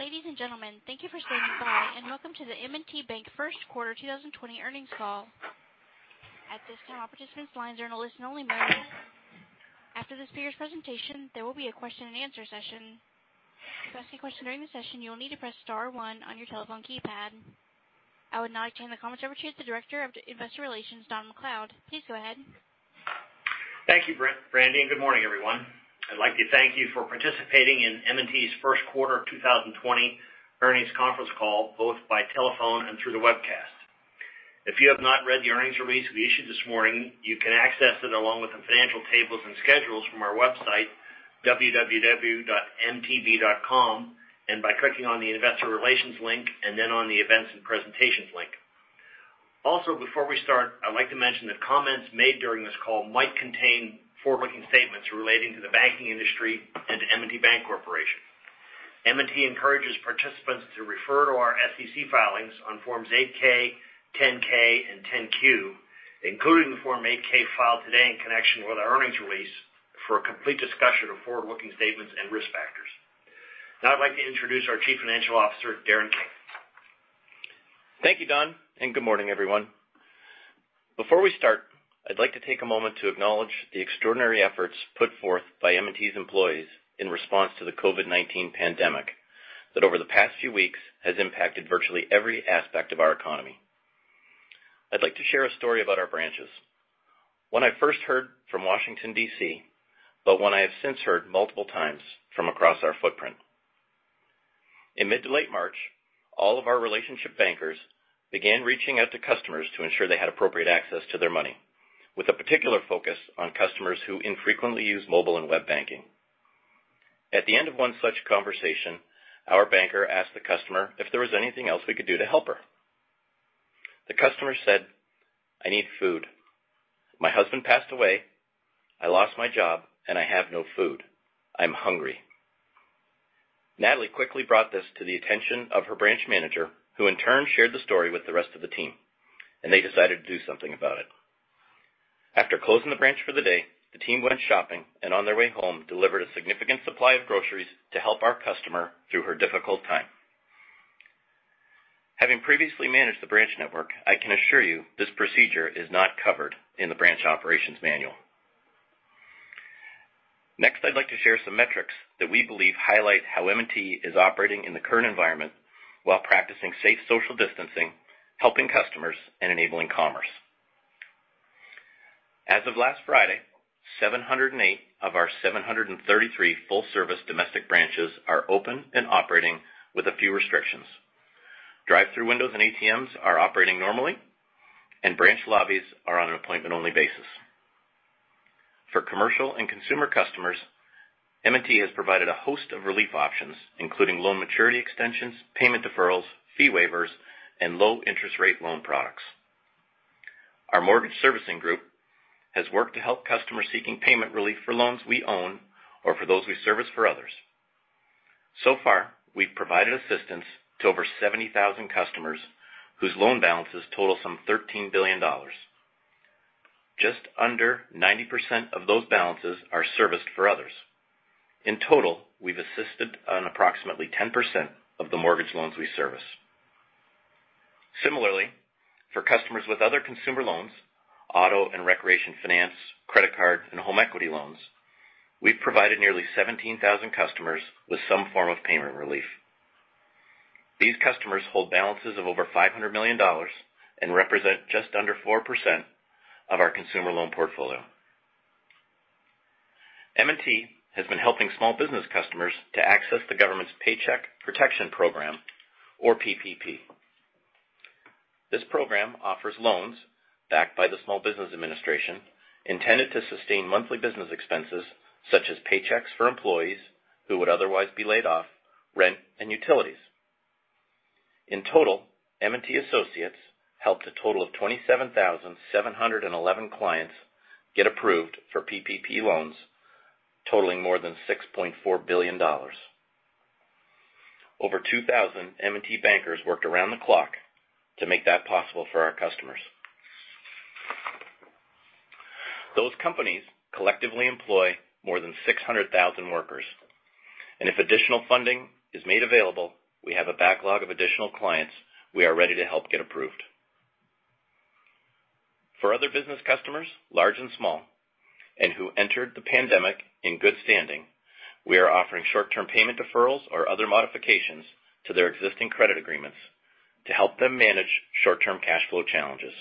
Ladies and gentlemen, thank you for standing by and welcome to the M&T Bank first quarter 2020 earnings call. At this time, all participants' lines are in a listen only mode. After the speaker's presentation, there will be a question and answer session. To ask a question during the session, you will need to press star one on your telephone keypad. I would now like to turn the comments over to the Director of Investor Relations, Don MacLeod. Please go ahead. Thank you, Brandy, and good morning, everyone. I'd like to thank you for participating in M&T's first quarter 2020 earnings conference call, both by telephone and through the webcast. If you have not read the earnings release we issued this morning, you can access it along with the financial tables and schedules from our website, www.mtb.com, and by clicking on the investor relations link and then on the events and presentations link. Also, before we start, I'd like to mention that comments made during this call might contain forward-looking statements relating to the banking industry and to M&T Bank Corporation. M&T encourages participants to refer to our SEC filings on Forms 8-K, 10-K, and 10-Q, including the Form 8-K filed today in connection with our earnings release for a complete discussion of forward-looking statements and risk factors. Now I'd like to introduce our Chief Financial Officer, Darren King. Thank you, Don, and good morning, everyone. Before we start, I'd like to take a moment to acknowledge the extraordinary efforts put forth by M&T's employees in response to the COVID-19 pandemic that, over the past few weeks, has impacted virtually every aspect of our economy. I'd like to share a story about our branches. One I first heard from Washington, D.C., but one I have since heard multiple times from across our footprint. In mid to late March, all of our relationship bankers began reaching out to customers to ensure they had appropriate access to their money, with a particular focus on customers who infrequently use mobile and web banking. At the end of one such conversation, our banker asked the customer if there was anything else we could do to help her. The customer said, "I need food. My husband passed away. I lost my job, and I have no food. I'm hungry. Natalie quickly brought this to the attention of her branch manager, who in turn shared the story with the rest of the team, and they decided to do something about it. After closing the branch for the day, the team went shopping, and on their way home, delivered a significant supply of groceries to help our customer through her difficult time. Having previously managed the branch network, I can assure you this procedure is not covered in the branch operations manual. Next, I'd like to share some metrics that we believe highlight how M&T Bank is operating in the current environment while practicing safe social distancing, helping customers, and enabling commerce. As of last Friday, 708 of our 733 full-service domestic branches are open and operating with a few restrictions. Drive-through windows and ATMs are operating normally, and branch lobbies are on an appointment-only basis. For commercial and consumer customers, M&T has provided a host of relief options, including loan maturity extensions, payment deferrals, fee waivers, and low-interest-rate loan products. Our mortgage servicing group has worked to help customers seeking payment relief for loans we own or for those we service for others. So far, we've provided assistance to over 70,000 customers whose loan balances total some $13 billion. Just under 90% of those balances are serviced for others. In total, we've assisted on approximately 10% of the mortgage loans we service. Similarly, for customers with other consumer loans, auto and recreation finance, credit card, and home equity loans, we've provided nearly 17,000 customers with some form of payment relief. These customers hold balances of over $500 million and represent just under 4% of our consumer loan portfolio. M&T has been helping small business customers to access the government's Paycheck Protection Program or PPP. This program offers loans backed by the Small Business Administration intended to sustain monthly business expenses such as paychecks for employees who would otherwise be laid off, rent, and utilities. In total, M&T associates helped a total of 27,711 clients get approved for PPP loans totaling more than $6.4 billion. Over 2,000 M&T bankers worked around the clock to make that possible for our customers. Those companies collectively employ more than 600,000 workers, and if additional funding is made available, we have a backlog of additional clients we are ready to help get approved. For other business customers, large and small, who entered the pandemic in good standing, we are offering short-term payment deferrals or other modifications to their existing credit agreements to help them manage short-term cash flow challenges.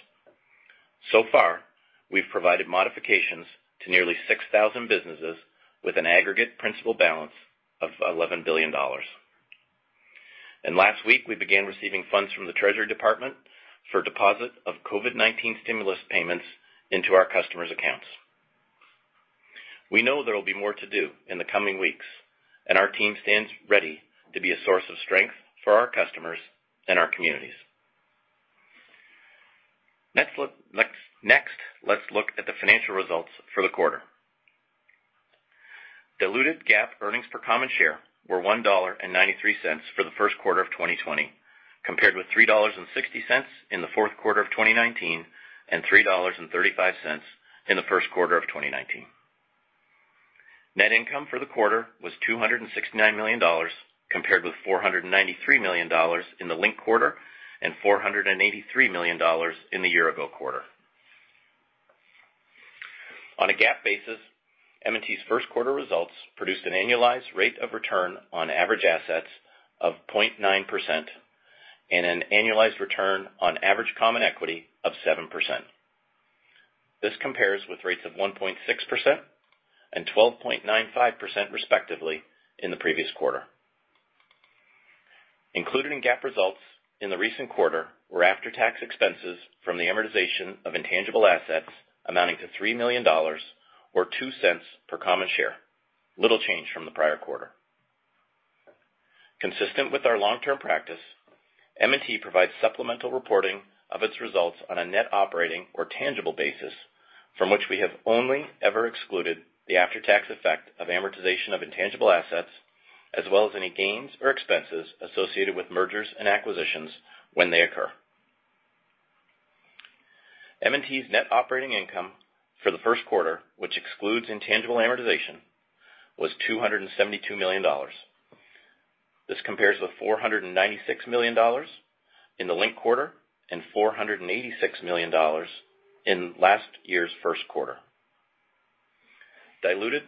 We've provided modifications to nearly 6,000 businesses with an aggregate principal balance of $11 billion. Last week, we began receiving funds from the Treasury Department for deposit of COVID-19 stimulus payments into our customers' accounts. We know there will be more to do in the coming weeks, our team stands ready to be a source of strength for our customers and our communities. Next, let's look at the financial results for the quarter. Diluted GAAP earnings per common share were $1.93 for the first quarter of 2020, compared with $3.60 in the fourth quarter of 2019 and $3.35 in the first quarter of 2019. Net income for the quarter was $269 million compared with $493 million in the linked quarter and $483 million in the year ago quarter. On a GAAP basis, M&T's first quarter results produced an annualized rate of return on average assets of 0.9% and an annualized return on average common equity of 7%. This compares with rates of 1.6% and 12.95%, respectively, in the previous quarter. Included in GAAP results in the recent quarter were after-tax expenses from the amortization of intangible assets amounting to $3 million or $0.02 per common share, little change from the prior quarter. Consistent with our long-term practice, M&T provides supplemental reporting of its results on a net operating or tangible basis from which we have only ever excluded the after-tax effect of amortization of intangible assets, as well as any gains or expenses associated with mergers and acquisitions when they occur. M&T's net operating income for the first quarter, which excludes intangible amortization, was $272 million. This compares with $496 million in the linked quarter and $486 million in last year's first quarter. Diluted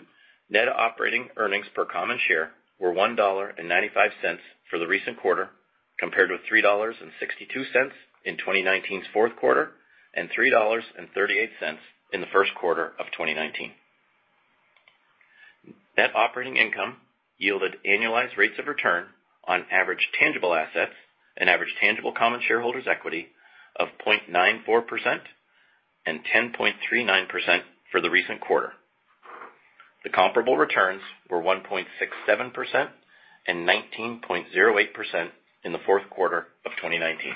net operating earnings per common share were $1.95 for the recent quarter, compared with $3.62 in 2019's fourth quarter and $3.38 in the first quarter of 2019. Net operating income yielded annualized rates of return on average tangible assets and average tangible common shareholders' equity of 0.94% and 10.39% for the recent quarter. The comparable returns were 1.67% and 19.08% in the fourth quarter of 2019.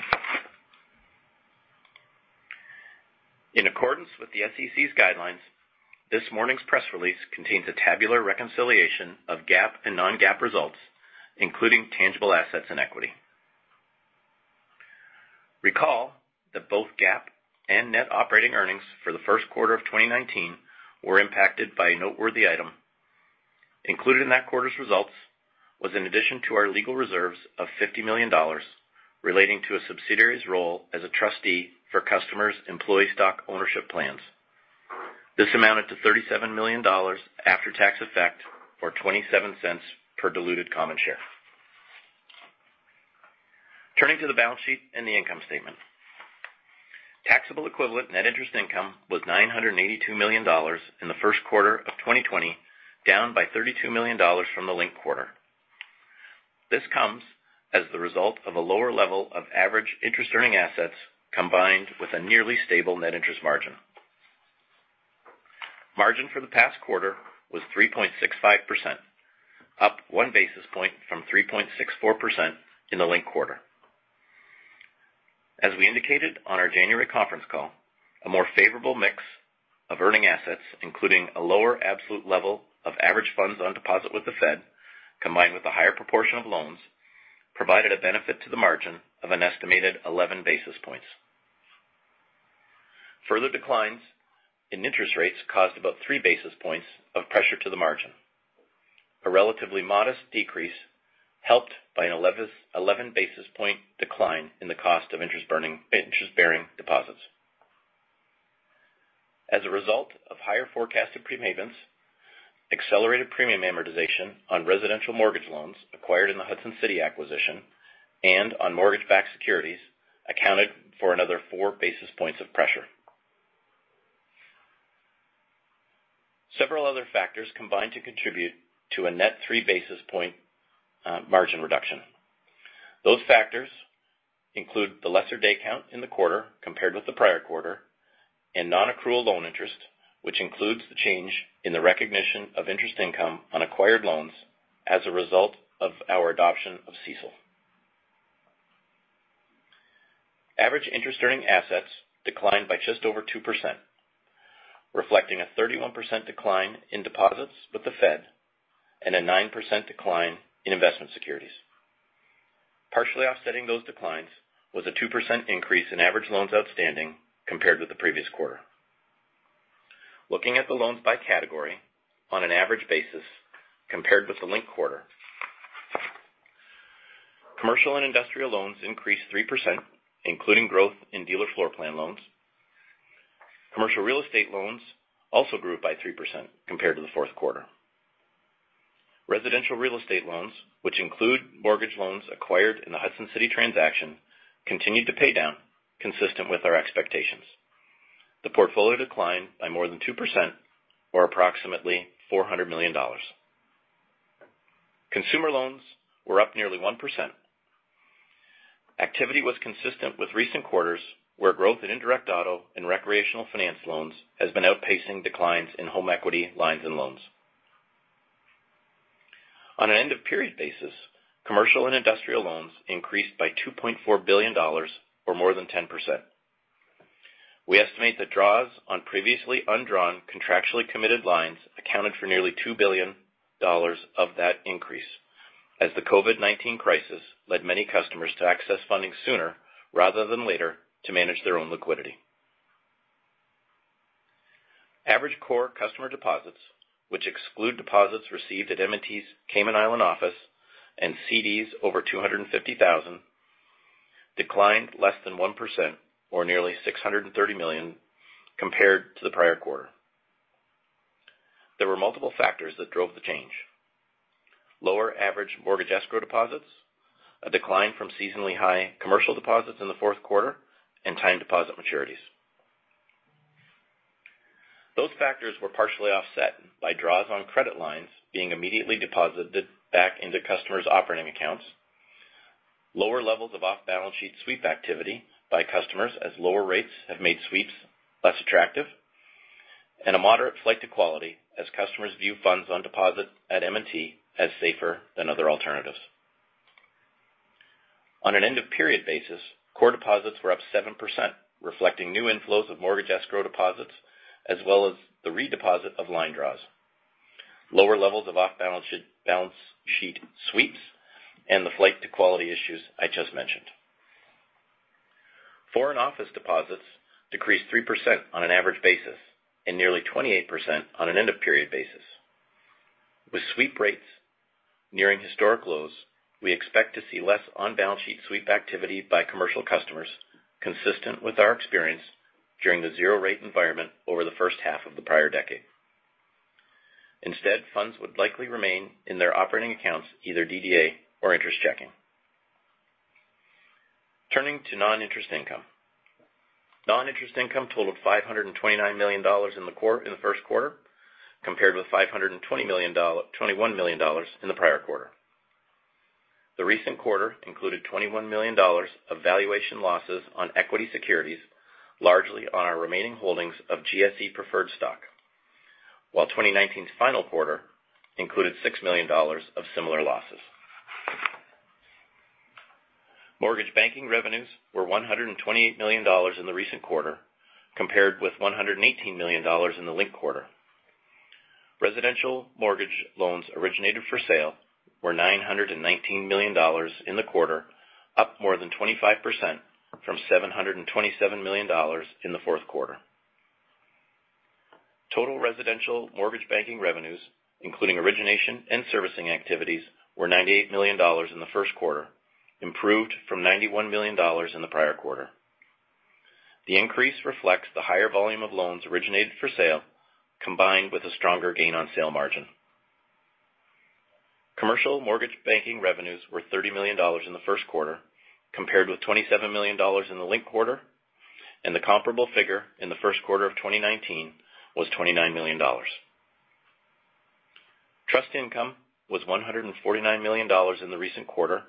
In accordance with the SEC's guidelines, this morning's press release contains a tabular reconciliation of GAAP and non-GAAP results, including tangible assets and equity. Recall that both GAAP and net operating earnings for the first quarter of 2019 were impacted by a noteworthy item. Included in that quarter's results was an addition to our legal reserves of $50 million relating to a subsidiary's role as a trustee for customers' employee stock ownership plans. This amounted to $37 million after-tax effect, or $0.27 per diluted common share. Turning to the balance sheet and the income statement. Taxable equivalent net interest income was $982 million in the first quarter of 2020, down by $32 million from the linked quarter. This comes as the result of a lower level of average interest-earning assets, combined with a nearly stable net interest margin. Margin for the past quarter was 3.65%, up one basis point from 3.64% in the linked quarter. We indicated on our January conference call, a more favorable mix of earning assets, including a lower absolute level of average funds on deposit with the Fed, combined with a higher proportion of loans, provided a benefit to the margin of an estimated 11 basis points. Further declines in interest rates caused about three basis points of pressure to the margin. A relatively modest decrease helped by an 11 basis point decline in the cost of interest-bearing deposits. As a result of higher forecasted prepayments, accelerated premium amortization on residential mortgage loans acquired in the Hudson City acquisition and on mortgage-backed securities accounted for another four basis points of pressure. Several other factors combined to contribute to a net three basis point margin reduction. Those factors include the lesser day count in the quarter compared with the prior quarter, and non-accrual loan interest, which includes the change in the recognition of interest income on acquired loans as a result of our adoption of CECL. Average interest-earning assets declined by just over 2%, reflecting a 31% decline in deposits with the Fed and a 9% decline in investment securities. Partially offsetting those declines was a 2% increase in average loans outstanding compared with the previous quarter. Looking at the loans by category on an average basis compared with the linked quarter, commercial and industrial loans increased 3%, including growth in dealer floor plan loans. Commercial real estate loans also grew by 3% compared to the fourth quarter. Residential real estate loans, which include mortgage loans acquired in the Hudson City transaction, continued to pay down consistent with our expectations. The portfolio declined by more than 2%, or approximately $400 million. Consumer loans were up nearly 1%. Activity was consistent with recent quarters, where growth in indirect auto and recreational finance loans has been outpacing declines in home equity lines and loans. On an end-of-period basis, commercial and industrial loans increased by $2.4 billion or more than 10%. We estimate that draws on previously undrawn contractually committed lines accounted for nearly $2 billion of that increase, as the COVID-19 crisis led many customers to access funding sooner rather than later to manage their own liquidity. Average core customer deposits, which exclude deposits received at M&T's Cayman Island office and CDs over 250,000, declined less than 1% or nearly $630 million compared to the prior quarter. There were multiple factors that drove the change. Lower average mortgage escrow deposits, a decline from seasonally high commercial deposits in the fourth quarter, and time deposit maturities. Those factors were partially offset by draws on credit lines being immediately deposited back into customers' operating accounts, lower levels of off-balance sheet sweep activity by customers as lower rates have made sweeps less attractive, and a moderate flight to quality as customers view funds on deposit at M&T as safer than other alternatives. On an end-of-period basis, core deposits were up 7%, reflecting new inflows of mortgage escrow deposits, as well as the redeposit of line draws, lower levels of off-balance sheet sweeps, and the flight to quality issues I just mentioned. Foreign office deposits decreased 3% on an average basis and nearly 28% on an end-of-period basis. With sweep rates nearing historic lows, we expect to see less on-balance sheet sweep activity by commercial customers, consistent with our experience during the zero-rate environment over the first half of the prior decade. Instead, funds would likely remain in their operating accounts, either DDA or interest checking. Turning to non-interest income. Non-interest income totaled $529 million in the first quarter, compared with $521 million in the prior quarter. The recent quarter included $21 million of valuation losses on equity securities, largely on our remaining holdings of GSE preferred stock. While 2019's final quarter included $6 million of similar losses. Mortgage banking revenues were $128 million in the recent quarter, compared with $118 million in the linked quarter. Residential mortgage loans originated for sale were $919 million in the quarter, up more than 25% from $727 million in the fourth quarter. Total residential mortgage banking revenues, including origination and servicing activities, were $98 million in the first quarter, improved from $91 million in the prior quarter. The increase reflects the higher volume of loans originated for sale, combined with a stronger gain on sale margin. Commercial mortgage banking revenues were $30 million in the first quarter, compared with $27 million in the linked quarter, and the comparable figure in the first quarter of 2019 was $29 million. Trust income was $149 million in the recent quarter,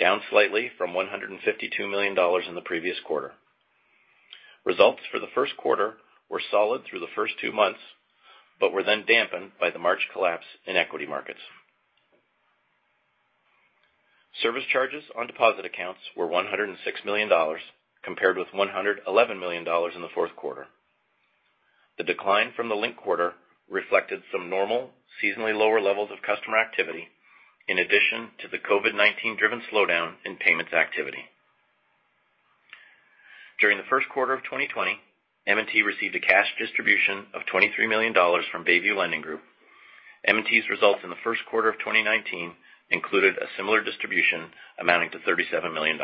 down slightly from $152 million in the previous quarter. Results for the first quarter were solid through the first two months, but were then dampened by the March collapse in equity markets. Service charges on deposit accounts were $106 million, compared with $111 million in the fourth quarter. The decline from the linked quarter reflected some normal seasonally lower levels of customer activity, in addition to the COVID-19-driven slowdown in payments activity. During the first quarter of 2020, M&T received a cash distribution of $23 million from Bayview Lending Group. M&T's results in the first quarter of 2019 included a similar distribution amounting to $37 million.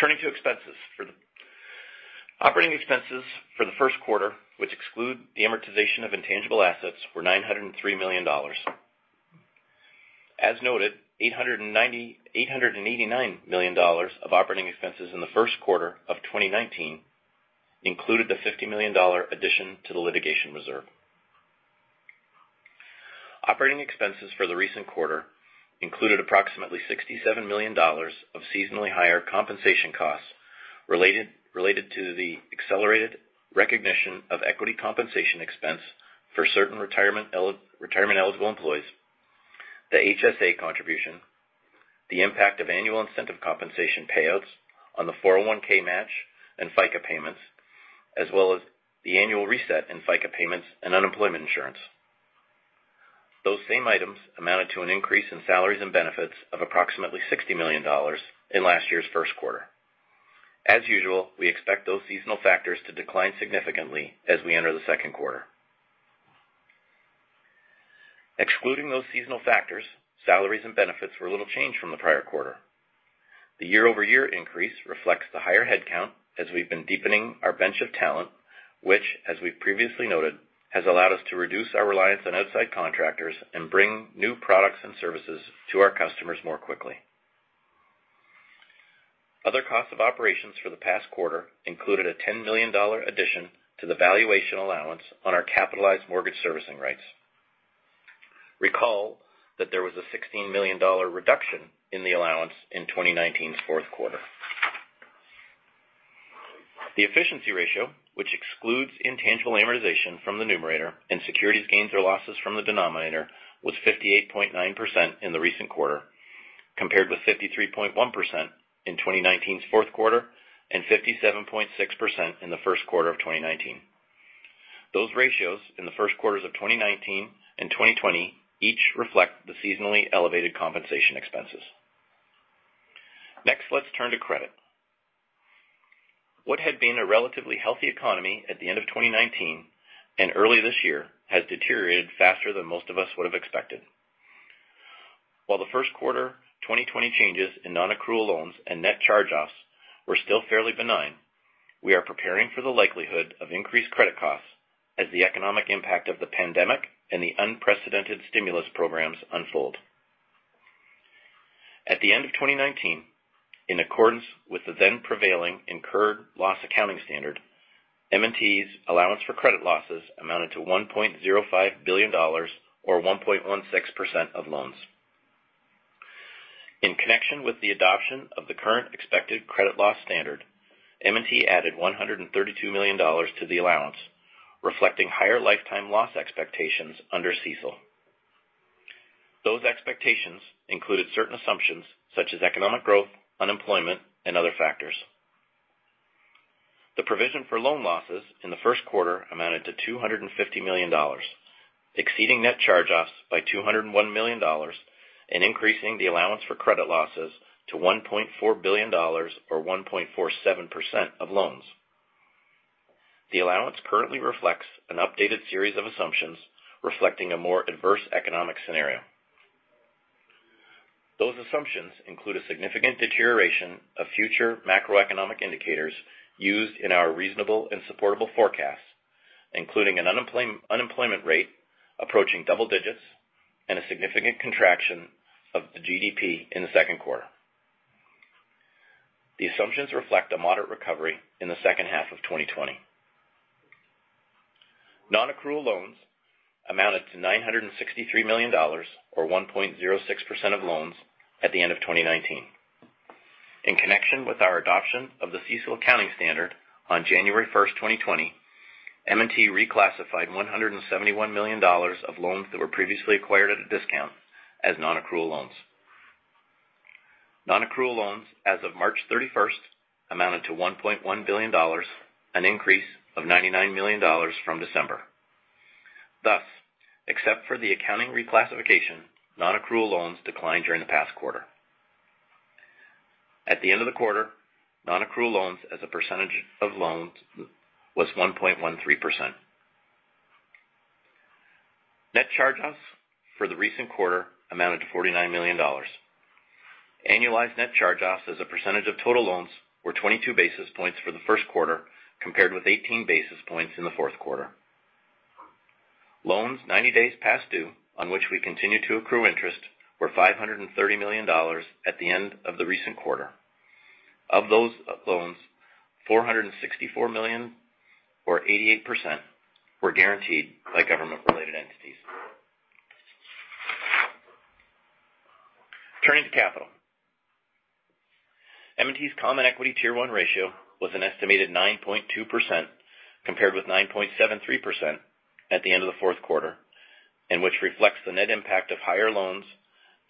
Turning to expenses. Operating expenses for the first quarter, which exclude the amortization of intangible assets, were $903 million. As noted, $889 million of operating expenses in the first quarter of 2019 included the $50 million addition to the litigation reserve. Operating expenses for the recent quarter included approximately $67 million of seasonally higher compensation costs related to the accelerated recognition of equity compensation expense for certain retirement-eligible employees, the HSA contribution, the impact of annual incentive compensation payouts on the 401 (k) match and FICA payments, as well as the annual reset in FICA payments and unemployment insurance. Those same items amounted to an increase in salaries and benefits of approximately $60 million in last year's first quarter. As usual, we expect those seasonal factors to decline significantly as we enter the second quarter. Excluding those seasonal factors, salaries and benefits were little changed from the prior quarter. The year-over-year increase reflects the higher headcount as we've been deepening our bench of talent, which, as we've previously noted, has allowed us to reduce our reliance on outside contractors and bring new products and services to our customers more quickly. Other costs of operations for the past quarter included a $10 million addition to the valuation allowance on our capitalized mortgage servicing rights. Recall that there was a $16 million reduction in the allowance in 2019 fourth quarter. The efficiency ratio, which excludes intangible amortization from the numerator and securities gains or losses from the denominator, was 58.9% in the recent quarter, compared with 53.1% in 2019 fourth quarter and 57.6% in the first quarter of 2019. Those ratios in the first quarters of 2019 and 2020 each reflect the seasonally elevated compensation expenses. Let's turn to credit. What had been a relatively healthy economy at the end of 2019 and early this year has deteriorated faster than most of us would've expected. While the first quarter 2020 changes in non-accrual loans and net charge-offs were still fairly benign, we are preparing for the likelihood of increased credit costs as the economic impact of the pandemic and the unprecedented stimulus programs unfold. At the end of 2019, in accordance with the then prevailing incurred loss accounting standard, M&T's allowance for credit losses amounted to $1.05 billion, or 1.16% of loans. In connection with the adoption of the Current Expected Credit Loss standard, M&T added $132 million to the allowance, reflecting higher lifetime loss expectations under CECL. Those expectations included certain assumptions such as economic growth, unemployment, and other factors. The provision for loan losses in the first quarter amounted to $250 million, exceeding net charge-offs by $201 million and increasing the allowance for credit losses to $1.4 billion or 1.47% of loans. The allowance currently reflects an updated series of assumptions reflecting a more adverse economic scenario. Those assumptions include a significant deterioration of future macroeconomic indicators used in our reasonable and supportable forecasts, including an unemployment rate approaching double digits and a significant contraction of the GDP in the second quarter. The assumptions reflect a moderate recovery in the second half of 2020. Non-accrual loans amounted to $963 million, or 1.06% of loans at the end of 2019. In connection with our adoption of the CECL accounting standard on January 1st, 2020, M&T reclassified $171 million of loans that were previously acquired at a discount as non-accrual loans. Non-accrual loans as of March 31st amounted to $1.1 billion, an increase of $99 million from December. Thus, except for the accounting reclassification, non-accrual loans declined during the past quarter. At the end of the quarter, non-accrual loans as a percentage of loans was 1.13%. Net charge-offs for the recent quarter amounted to $49 million. Annualized net charge-offs as a percentage of total loans were 22 basis points for the first quarter, compared with 18 basis points in the fourth quarter. Loans 90 days past due, on which we continue to accrue interest, were $530 million at the end of the recent quarter. Of those loans, $464 million, or 88%, were guaranteed by government-related entities. Turning to capital. M&T's common equity Tier 1 ratio was an estimated 9.2%, compared with 9.73% at the end of the fourth quarter, and which reflects the net impact of higher loans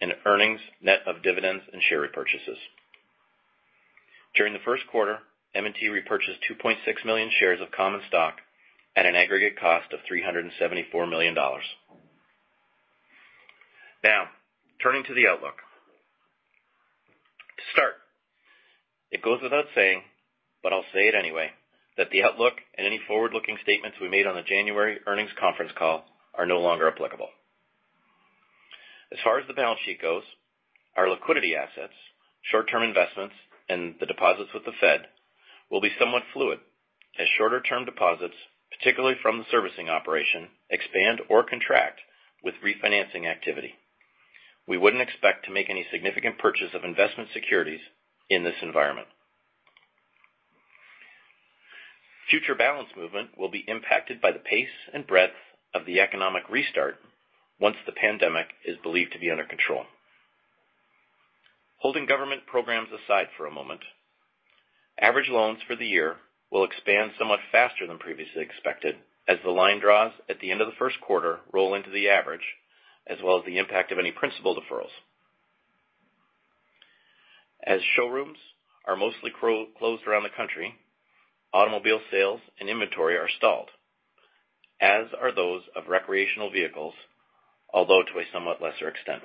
and earnings net of dividends and share repurchases. During the first quarter, M&T repurchased 2.6 million shares of common stock at an aggregate cost of $374 million. Now, turning to the outlook. To start, it goes without saying, but I'll say it anyway, that the outlook and any forward-looking statements we made on the January earnings conference call are no longer applicable. As far as the balance sheet goes, our liquidity assets, short-term investments, and the deposits with the Fed will be somewhat fluid as shorter-term deposits, particularly from the servicing operation, expand or contract with refinancing activity. We wouldn't expect to make any significant purchase of investment securities in this environment. Future balance movement will be impacted by the pace and breadth of the economic restart once the pandemic is believed to be under control. Holding government programs aside for a moment, average loans for the year will expand somewhat faster than previously expected as the line draws at the end of the first quarter roll into the average, as well as the impact of any principal deferrals. As showrooms are mostly closed around the country, automobile sales and inventory are stalled, as are those of recreational vehicles, although to a somewhat lesser extent.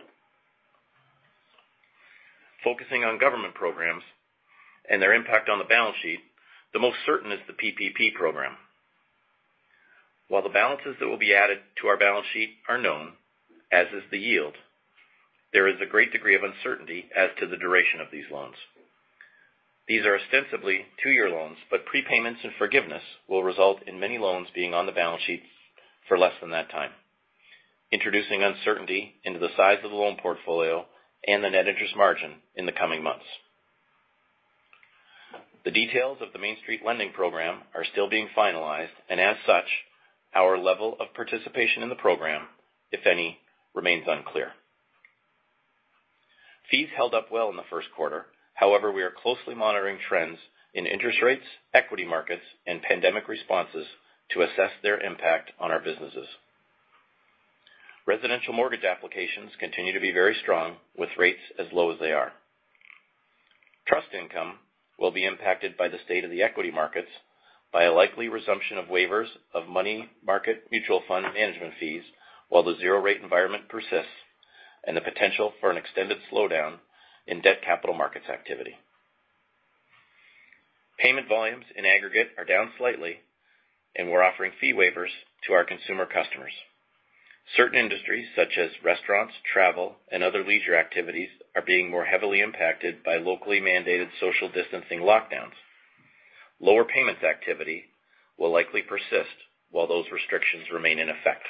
Focusing on government programs and their impact on the balance sheet, the most certain is the PPP program. While the balances that will be added to our balance sheet are known, as is the yield, there is a great degree of uncertainty as to the duration of these loans. These are ostensibly two-year loans, but prepayments and forgiveness will result in many loans being on the balance sheets for less than that time, introducing uncertainty into the size of the loan portfolio and the net interest margin in the coming months. The details of the Main Street Lending Program are still being finalized, and as such, our level of participation in the program, if any, remains unclear. Fees held up well in the first quarter. However, we are closely monitoring trends in interest rates, equity markets, and pandemic responses to assess their impact on our businesses. Residential mortgage applications continue to be very strong with rates as low as they are. Trust income will be impacted by the state of the equity markets by a likely resumption of waivers of money market mutual fund management fees while the zero rate environment persists, and the potential for an extended slowdown in debt capital markets activity. Payment volumes in aggregate are down slightly, and we're offering fee waivers to our consumer customers. Certain industries such as restaurants, travel, and other leisure activities are being more heavily impacted by locally mandated social distancing lockdowns. Lower payments activity will likely persist while those restrictions remain in effect.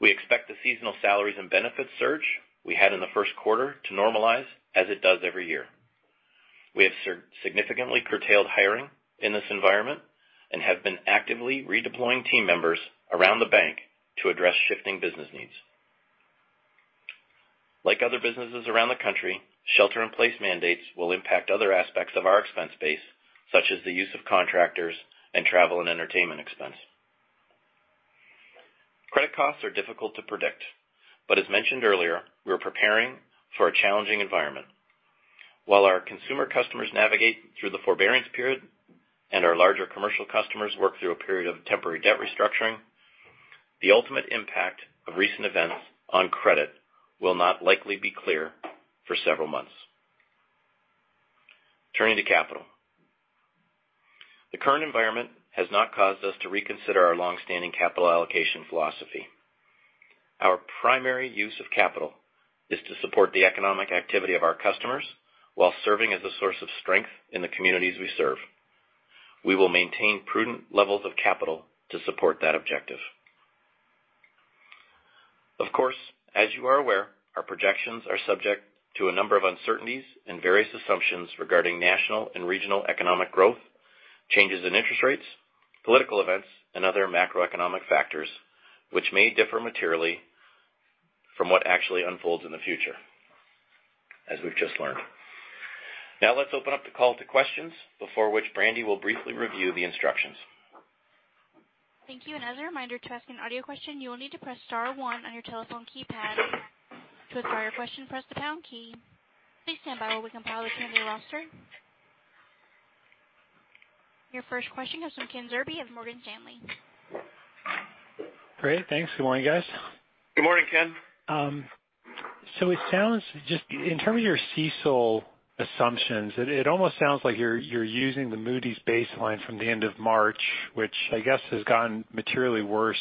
We expect the seasonal salaries and benefits surge we had in the first quarter to normalize as it does every year. We have significantly curtailed hiring in this environment and have been actively redeploying team members around the bank to address shifting business needs. Like other businesses around the country, shelter-in-place mandates will impact other aspects of our expense base, such as the use of contractors and travel and entertainment expense. Credit costs are difficult to predict, but as mentioned earlier, we're preparing for a challenging environment. While our consumer customers navigate through the forbearance period and our larger commercial customers work through a period of temporary debt restructuring, the ultimate impact of recent events on credit will not likely be clear for several months. Turning to capital. The current environment has not caused us to reconsider our longstanding capital allocation philosophy. Our primary use of capital is to support the economic activity of our customers while serving as a source of strength in the communities we serve. We will maintain prudent levels of capital to support that objective. Of course, as you are aware, our projections are subject to a number of uncertainties and various assumptions regarding national and regional economic growth, changes in interest rates, political events, and other macroeconomic factors, which may differ materially from what actually unfolds in the future, as we've just learned. Now let's open up the call to questions, before which Brandy will briefly review the instructions. Thank you. As a reminder, to ask an audio question, you will need to press star one on your telephone keypad. To withdraw your question, press the pound key. Please stand by while we compile attendee roster. Your first question comes from Ken Zerbe of Morgan Stanley. Great. Thanks. Good morning, guys. Good morning, Ken. It sounds just in terms of your CECL assumptions, it almost sounds like you're using the Moody's baseline from the end of March, which I guess has gotten materially worse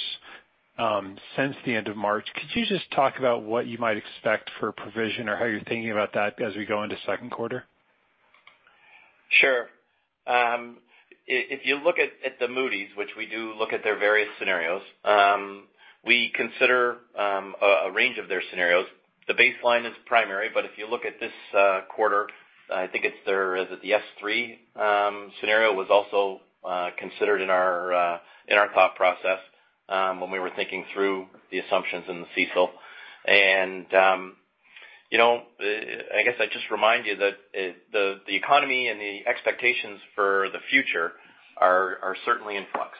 since the end of March. Could you just talk about what you might expect for a provision or how you're thinking about that as we go into second quarter? Sure. If you look at the Moody's, which we do look at their various scenarios, we consider a range of their scenarios. The baseline is primary, but if you look at this quarter, I think it's their Is it the S3 scenario was also considered in our thought process when we were thinking through the assumptions in the CECL. I guess I'd just remind you that the economy and the expectations for the future are certainly in flux.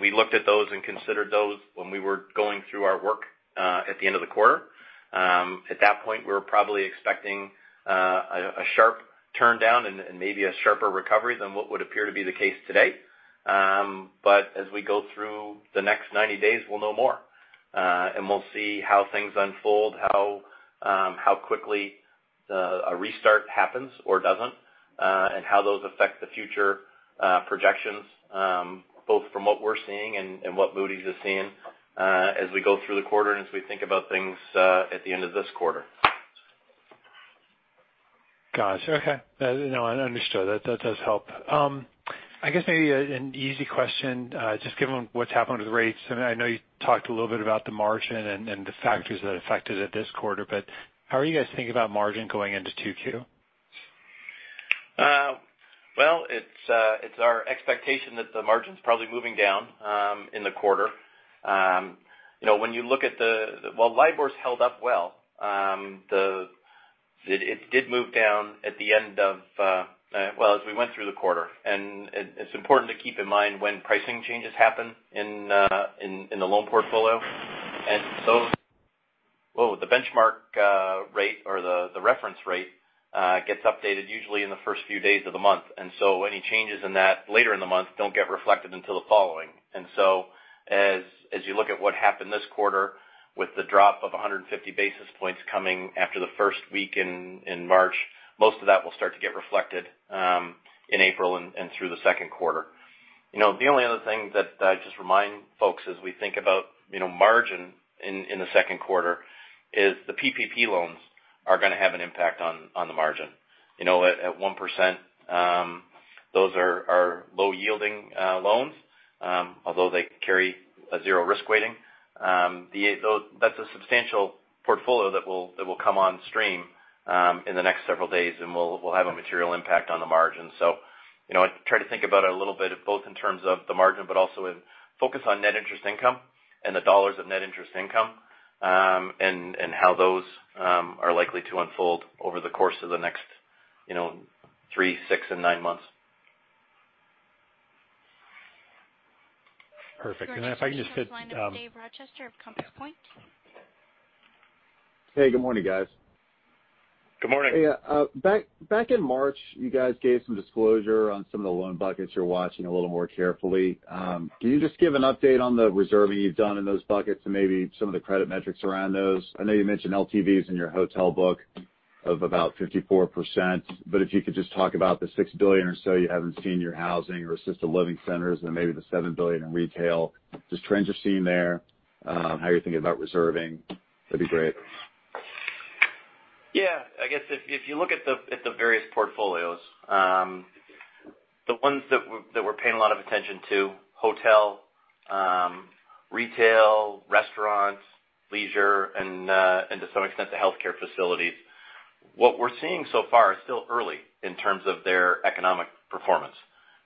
We looked at those and considered those when we were going through our work at the end of the quarter. At that point, we were probably expecting a sharp turndown and maybe a sharper recovery than what would appear to be the case today. As we go through the next 90 days, we'll know more. We'll see how things unfold, how quickly a restart happens or doesn't, and how those affect the future projections, both from what we're seeing and what Moody's is seeing as we go through the quarter and as we think about things at the end of this quarter. Got it. Okay. No, understood. That does help. I guess maybe an easy question, just given what's happened with rates, and I know you talked a little bit about the margin and the factors that affected it this quarter, how are you guys thinking about margin going into 2Q? Well, it's our expectation that the margin's probably moving down in the quarter. When you look at well, LIBOR's held up well. It did move down at the end of well, as we went through the quarter. It's important to keep in mind when pricing changes happen in the loan portfolio. The benchmark rate or the reference rate gets updated usually in the first few days of the month. Any changes in that later in the month don't get reflected until the following. As you look at what happened this quarter with the drop of 150 basis points coming after the first week in March, most of that will start to get reflected in April and through the second quarter. The only other thing that I'd just remind folks as we think about margin in the second quarter is the PPP loans are going to have an impact on the margin. At 1%, those are low-yielding loans, although they carry a zero risk weighting. That's a substantial portfolio that will come on stream in the next several days and will have a material impact on the margin. I try to think about it a little bit both in terms of the margin, but also focus on net interest income and the dollars of net interest income, and how those are likely to unfold over the course of the next, you know, three, six and nine months. Perfect. If I can just... Your next question is lined up, David Rochester of Compass Point. Hey, good morning, guys. Good morning. Hey. Back in March, you guys gave some disclosure on some of the loan buckets you're watching a little more carefully. Can you just give an update on the reserving you've done in those buckets and maybe some of the credit metrics around those? I know you mentioned LTVs in your hotel book of about 54%. If you could just talk about the $6 billion or so you have in senior housing or assisted living centers and maybe the $7 billion in retail, just trends you're seeing there, how you're thinking about reserving, that'd be great. Yeah. I guess if you look at the various portfolios, the ones that we're paying a lot of attention to, hotel, retail, restaurants, leisure, and to some extent, the healthcare facilities. What we're seeing so far is still early in terms of their economic performance.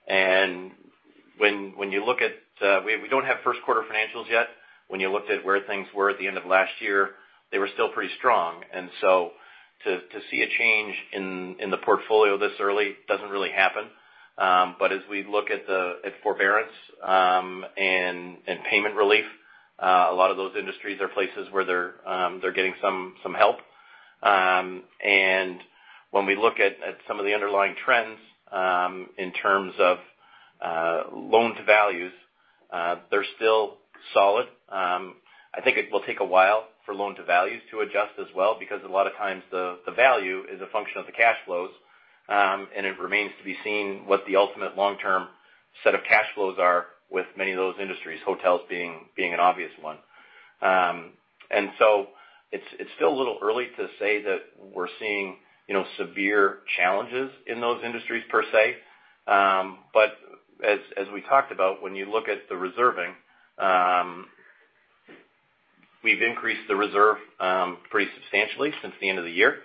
We don't have first quarter financials yet. When you looked at where things were at the end of last year, they were still pretty strong. To see a change in the portfolio this early doesn't really happen. As we look at forbearance and payment relief, a lot of those industries are places where they're getting some help. When we look at some of the underlying trends, in terms of loan to values, they're still solid. I think it will take a while for loan to values to adjust as well, because a lot of times the value is a function of the cash flows. It remains to be seen what the ultimate long-term set of cash flows are with many of those industries, hotels being an obvious one. It's still a little early to say that we're seeing severe challenges in those industries per se. As we talked about, when you look at the reserving, we've increased the reserve pretty substantially since the end of the year.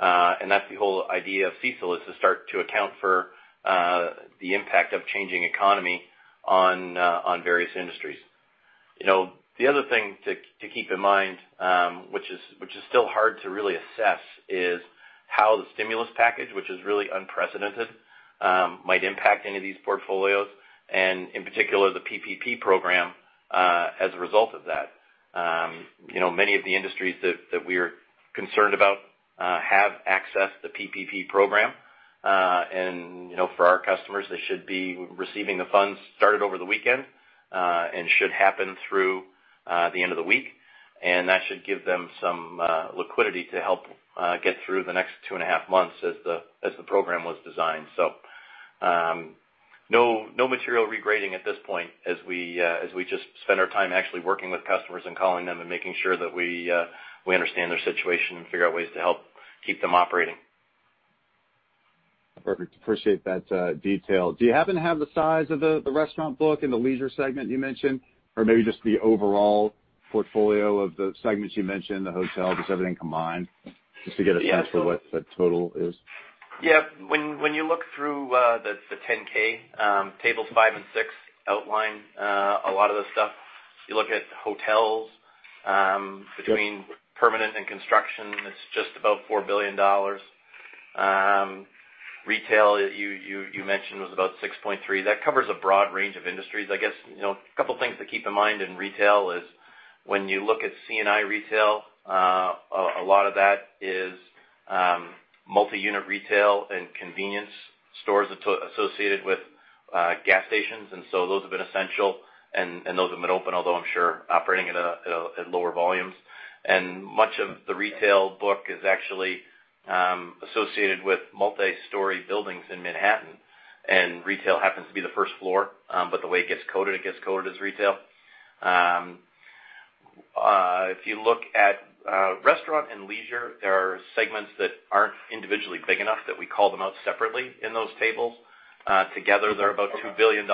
That's the whole idea of CECL, is to start to account for the impact of changing economy on various industries. The other thing to keep in mind, which is still hard to really assess, is how the stimulus package, which is really unprecedented, might impact any of these portfolios, and in particular, the PPP Program, as a result of that. Many of the industries that we are concerned about have accessed the PPP Program. For our customers, they should be receiving the funds started over the weekend, and should happen through the end of the week. That should give them some liquidity to help get through the next two and a half months, as the program was designed. No material regrading at this point as we just spend our time actually working with customers, calling them and making sure that we understand their situation and figure out ways to help keep them operating. Perfect. Appreciate that detail. Do you happen to have the size of the restaurant book in the leisure segment you mentioned? Maybe just the overall portfolio of the segments you mentioned, the hotel, just everything combined? Just to get a sense of what the total is. Yeah. When you look through the Form 10-K, tables five and six outline a lot of the stuff. If you look at hotels. Sure Between permanent and construction, it's just about $4 billion. Retail, you mentioned was about $6.3 billion. That covers a broad range of industries. I guess, a couple things to keep in mind in retail is when you look at C&I retail, a lot of that is multi-unit retail and convenience stores associated with gas stations. Those have been essential, and those have been open, although I'm sure operating at lower volumes. Much of the retail book is actually associated with multi-story buildings in Manhattan, and retail happens to be the first floor. The way it gets coded it gets coded as retail. If you look at restaurant and leisure, there are segments that aren't individually big enough that we call them out separately in those tables. Together they're about $2 billion.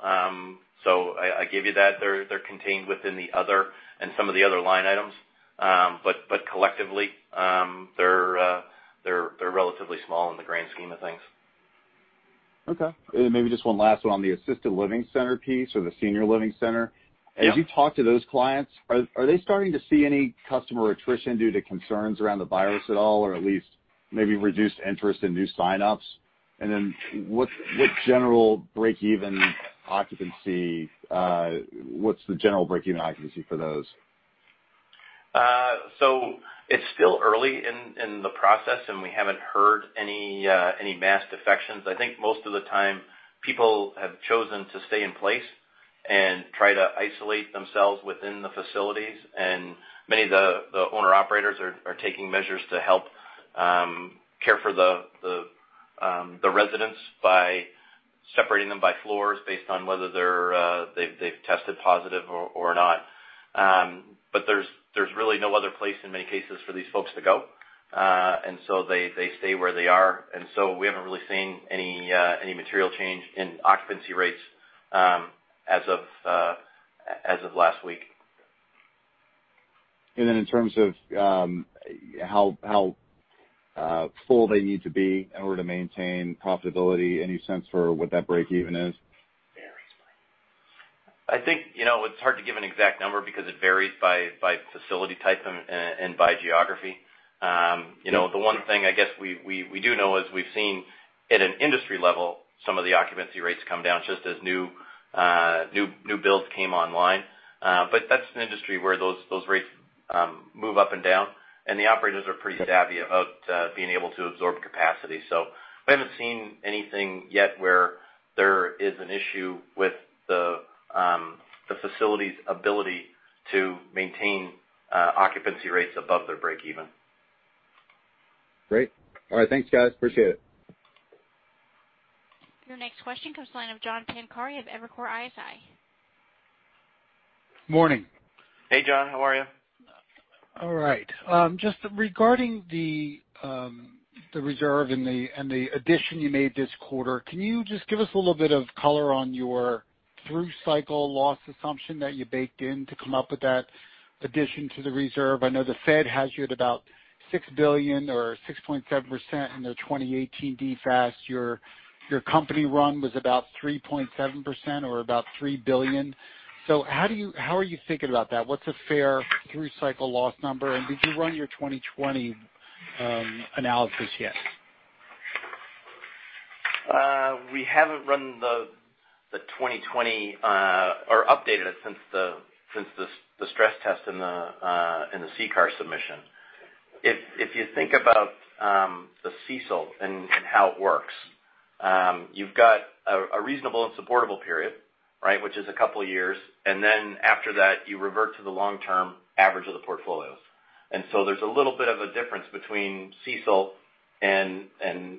I give you that they're contained within the other and some of the other line items. Collectively, they're relatively small in the grand scheme of things. Okay. Maybe just one last one on the assisted living center piece or the senior living center. Yeah. As you talk to those clients, are they starting to see any customer attrition due to concerns around the virus at all, or at least maybe reduced interest in new sign-ups? What's the general break-even occupancy for those? It's still early in the process, and we haven't heard any mass defections. I think most of the time, people have chosen to stay in place and try to isolate themselves within the facilities. Many of the owner-operators are taking measures to help care for the residents by separating them by floors based on whether they've tested positive or not. There's really no other place in many cases for these folks to go. They stay where they are. We haven't really seen any material change in occupancy rates as of last week. In terms of how full they need to be in order to maintain profitability, any sense for what that break-even is? I think it's hard to give an exact number because it varies by facility type and by geography. The one thing I guess we do know is we've seen at an industry level some of the occupancy rates come down just as new builds came online. That's an industry where those rates move up and down, and the operators are pretty savvy about being able to absorb capacity. We haven't seen anything yet where there is an issue with the facility's ability to maintain occupancy rates above their break-even. Great. All right. Thanks, guys. Appreciate it. Your next question comes from the line of John Pancari of Evercore ISI. Morning. Hey, John. How are you? All right. Just regarding the reserve and the addition you made this quarter, can you just give us a little bit of color on your through cycle loss assumption that you baked in to come up with that addition to the reserve? I know Fed has you at about $6 billion or 6.7% in their 2018 DFAST. Your company run was about 3.7% or about $3 billion. How are you thinking about that? What's a fair through cycle loss number, and did you run your 2020 analysis yet? We haven't run the 2020 or updated it since the stress test in the CCAR submission. If you think about the CECL and how it works, you've got a reasonable and supportable period, which is a couple of years, and then after that you revert to the long-term average of the portfolios. There's a little bit of a difference between CECL and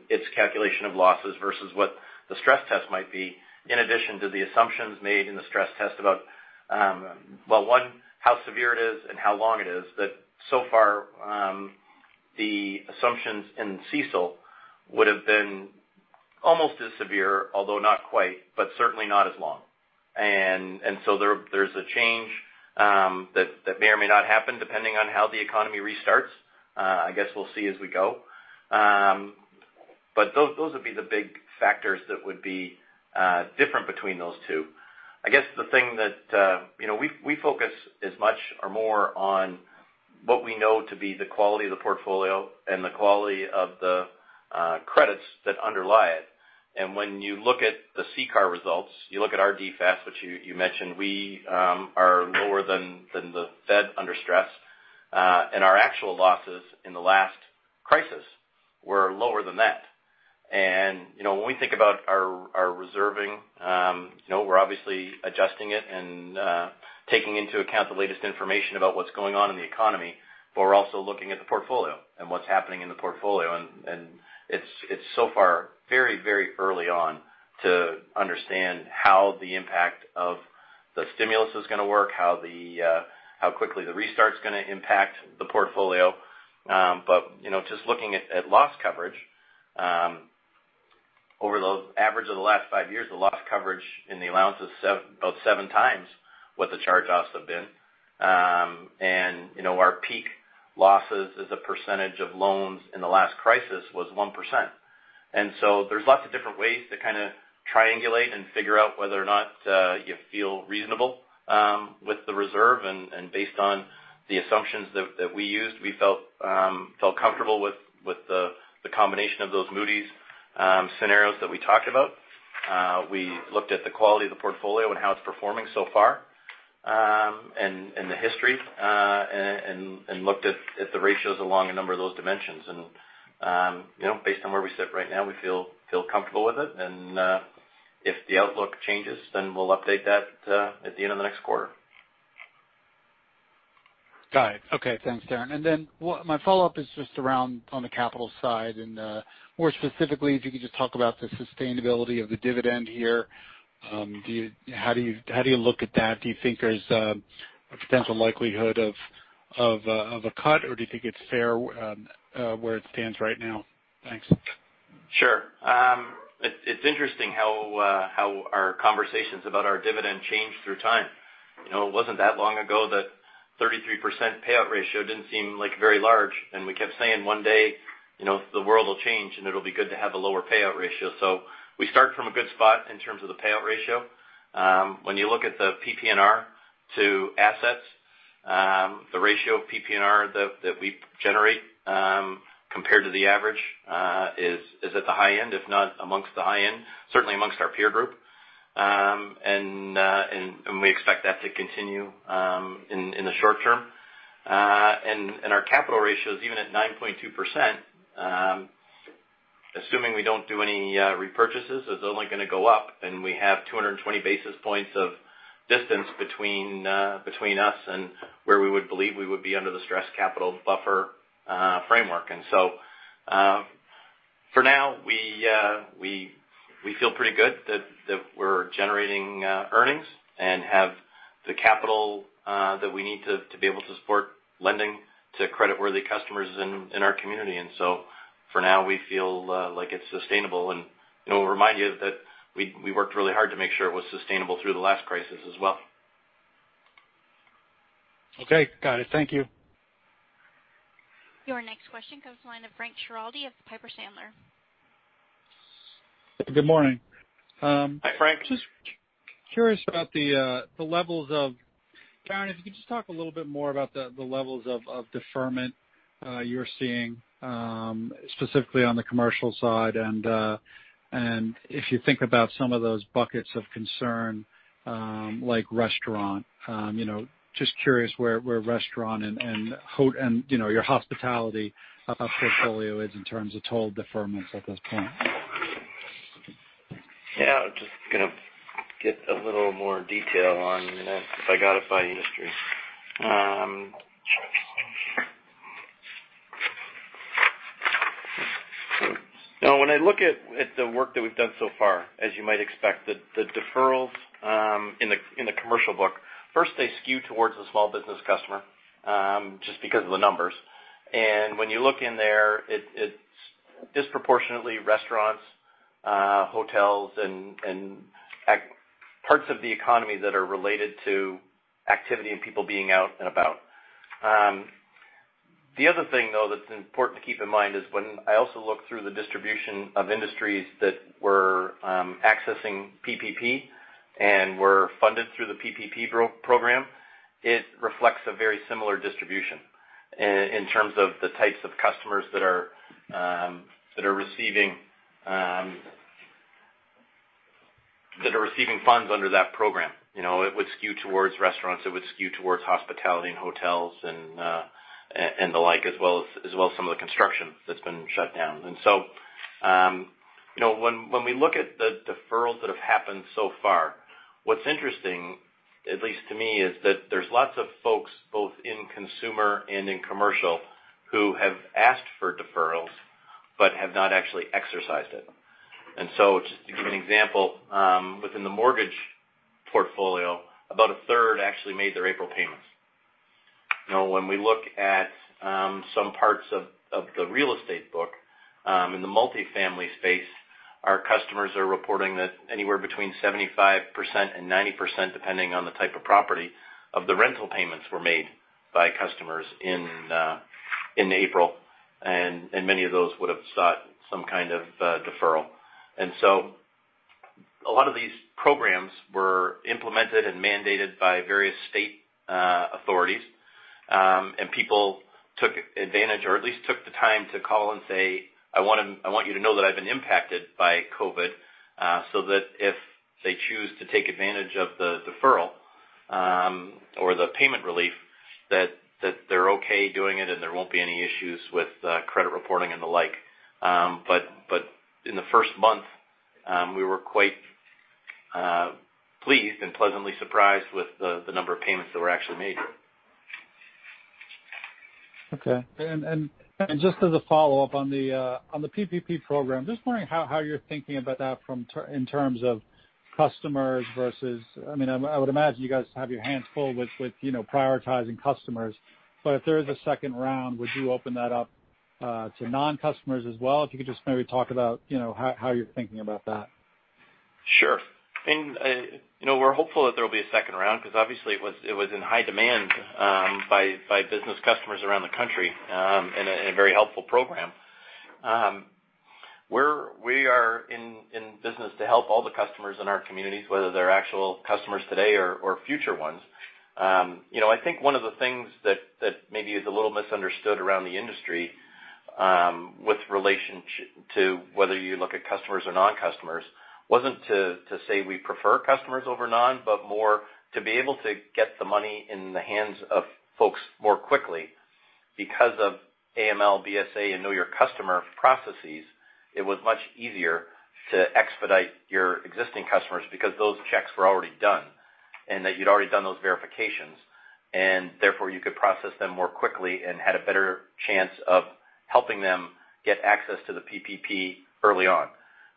its calculation of losses versus what the stress test might be in addition to the assumptions made in the stress test about, well, one, how severe it is and how long it is. So far, the assumptions in CECL would've been almost as severe, although not quite, but certainly not as long. There's a change that may or may not happen depending on how the economy restarts. I guess we'll see as we go. Those would be the big factors that would be different between those two. I guess the thing that we focus as much or more on what we know to be the quality of the portfolio and the quality of the credits that underlie it. When you look at the CCAR results, you look at our DFAST, which you mentioned, we are lower than Fed under stress. Our actual losses in the last crisis were lower than that. When we think about our reserving, we're obviously adjusting it and taking into account the latest information about what's going on in the economy, but we're also looking at the portfolio and what's happening in the portfolio. It's so far very early on to understand how the impact of the stimulus is going to work, how quickly the restart's going to impact the portfolio. Just looking at loss coverage, over the average of the last five years, the loss coverage in the allowance is about 7x what the charge-offs have been. Our peak losses as a percentage of loans in the last crisis was 1%. There's lots of different ways to kind of triangulate and figure out whether or not you feel reasonable with the reserve. Based on the assumptions that we used, we felt comfortable with the combination of those Moody's scenarios that we talked about. We looked at the quality of the portfolio and how it's performing so far, and the history, and looked at the ratios along a number of those dimensions. Based on where we sit right now, we feel comfortable with it. If the outlook changes, then we'll update that at the end of the next quarter. Got it. Okay. Thanks, Darren. My follow-up is just around on the capital side and more specifically, if you could just talk about the sustainability of the dividend here. How do you look at that? Do you think there's a potential likelihood of a cut, or do you think it's fair where it stands right now? Thanks. Sure. It's interesting how our conversations about our dividends change through time. It wasn't that long ago that 33% payout ratio didn't seem very large, and we kept saying one day the world will change and it'll be good to have a lower payout ratio. We start from a good spot in terms of the payout ratio. When you look at the PPNR to assets, the ratio of PPNR that we generate compared to the average is at the high end, if not amongst the high end, certainly amongst our peer group. We expect that to continue in the short term. Our capital ratios, even at 9.2%, assuming we don't do any repurchases, is only going to go up, and we have 220 basis points of distance between us and where we would believe we would be under the Stress Capital Buffer Framework. For now, we feel pretty good that we're generating earnings and have the capital that we need to be able to support lending to creditworthy customers in our community. For now, we feel like it's sustainable. I'll remind you that we worked really hard to make sure it was sustainable through the last crisis as well. Okay. Got it. Thank you. Your next question comes to the line of Frank Schiraldi of Piper Sandler. Good morning. Hi, Frank. Just curious about Darren, if you could just talk a little bit more about the levels of deferment you're seeing, specifically on the commercial side and if you think about some of those buckets of concern, like restaurant. Just curious where restaurant and your hospitality portfolio is in terms of total deferments at this point. Yeah. Just going to get a little more detail on if I got it by industry. When I look at the work that we've done so far, as you might expect, the deferrals in the commercial book, first, they skew towards the small business customer, just because of the numbers. When you look in there, it's disproportionately restaurants, hotels, and parts of the economy that are related to activity and people being out and about. The other thing, though, that's important to keep in mind is when I also look through the distribution of industries that were accessing PPP and were funded through the PPP program, it reflects a very similar distribution in terms of the types of customers that are receiving funds under that program. It would skew towards restaurants, it would skew towards hospitality and hotels, and the like, as well as some of the construction that's been shut down. When we look at the deferrals that have happened so far, what's interesting, at least to me, is that there's lots of folks, both in consumer and in commercial, who have asked for deferrals but have not actually exercised it. Just to give you an example, within the mortgage portfolio, about a third actually made their April payments. When we look at some parts of the real estate book, in the multifamily space, our customers are reporting that anywhere between 75% and 90%, depending on the type of property, of the rental payments were made by customers in April. Many of those would've sought some kind of deferral. A lot of these programs were implemented and mandated by various state authorities, and people took advantage or at least took the time to call and say, "I want you to know that I've been impacted by COVID-19," so that if they choose to take advantage of the deferral or the payment relief, that they're okay doing it, and there won't be any issues with credit reporting and the like. In the first month, we were quite pleased and pleasantly surprised with the number of payments that were actually made. Okay. Just as a follow-up on the PPP Program, just wondering how you're thinking about that in terms of customers versus-- I would imagine you guys have your hands full with prioritizing customers. If there is a second round, would you open that up to non-customers as well? If you could just maybe talk about how you're thinking about that. Sure. We're hopeful that there will be a second round because obviously, it was in high demand by business customers around the country and a very helpful program. We are in business to help all the customers in our communities, whether they're actual customers today or future ones. I think one of the things that maybe is a little misunderstood around the industry, with relation to whether you look at customers or non-customers, wasn't to say we prefer customers over non, but more to be able to get the money in the hands of folks more quickly. Because of AML/BSA, and know your customer processes, it was much easier to expedite your existing customers because those checks were already done and that you'd already done those verifications. Therefore, you could process them more quickly and had a better chance of helping them get access to the PPP early on.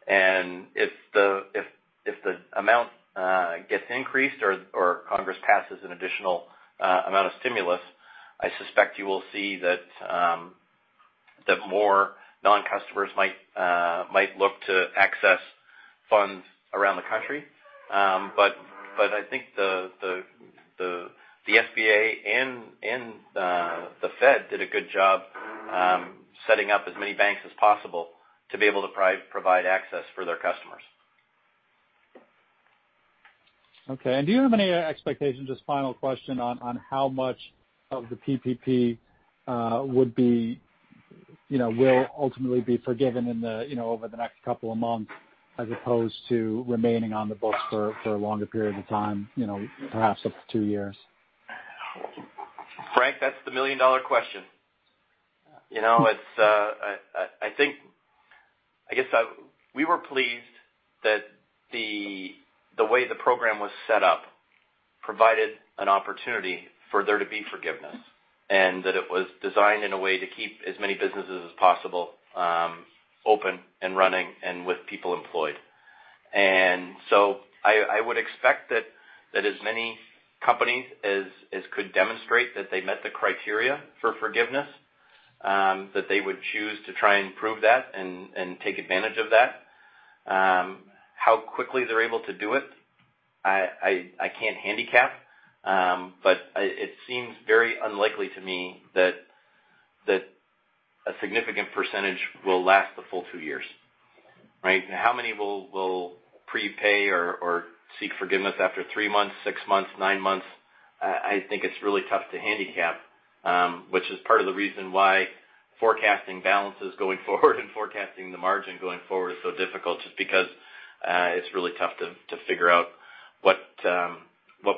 If the amount gets increased or Congress passes an additional amount of stimulus, I suspect you will see that more non-customers might look to access funds around the country. I think the SBA and the Fed did a good job setting up as many banks as possible to be able to provide access for their customers. Okay. Do you have any expectations, just final question, on how much of the PPP will ultimately be forgiven over the next couple of months as opposed to remaining on the books for a longer period of time perhaps up to two years? Frank, that's the million-dollar question. I guess we were pleased that the way the program was set up provided an opportunity for there to be forgiveness, and that it was designed in a way to keep as many businesses as possible open and running, and with people employed. I would expect that as many companies as could demonstrate that they met the criteria for forgiveness, that they would choose to try and prove that and take advantage of that. How quickly they're able to do it, I can't handicap. It seems very unlikely to me that a significant percentage will last the full two years. Right? How many will prepay or seek forgiveness after three months, six months, or nine months? I think it's really tough to handicap, which is part of the reason why forecasting balances going forward and forecasting the margin going forward is so difficult, just because it's really tough to figure out what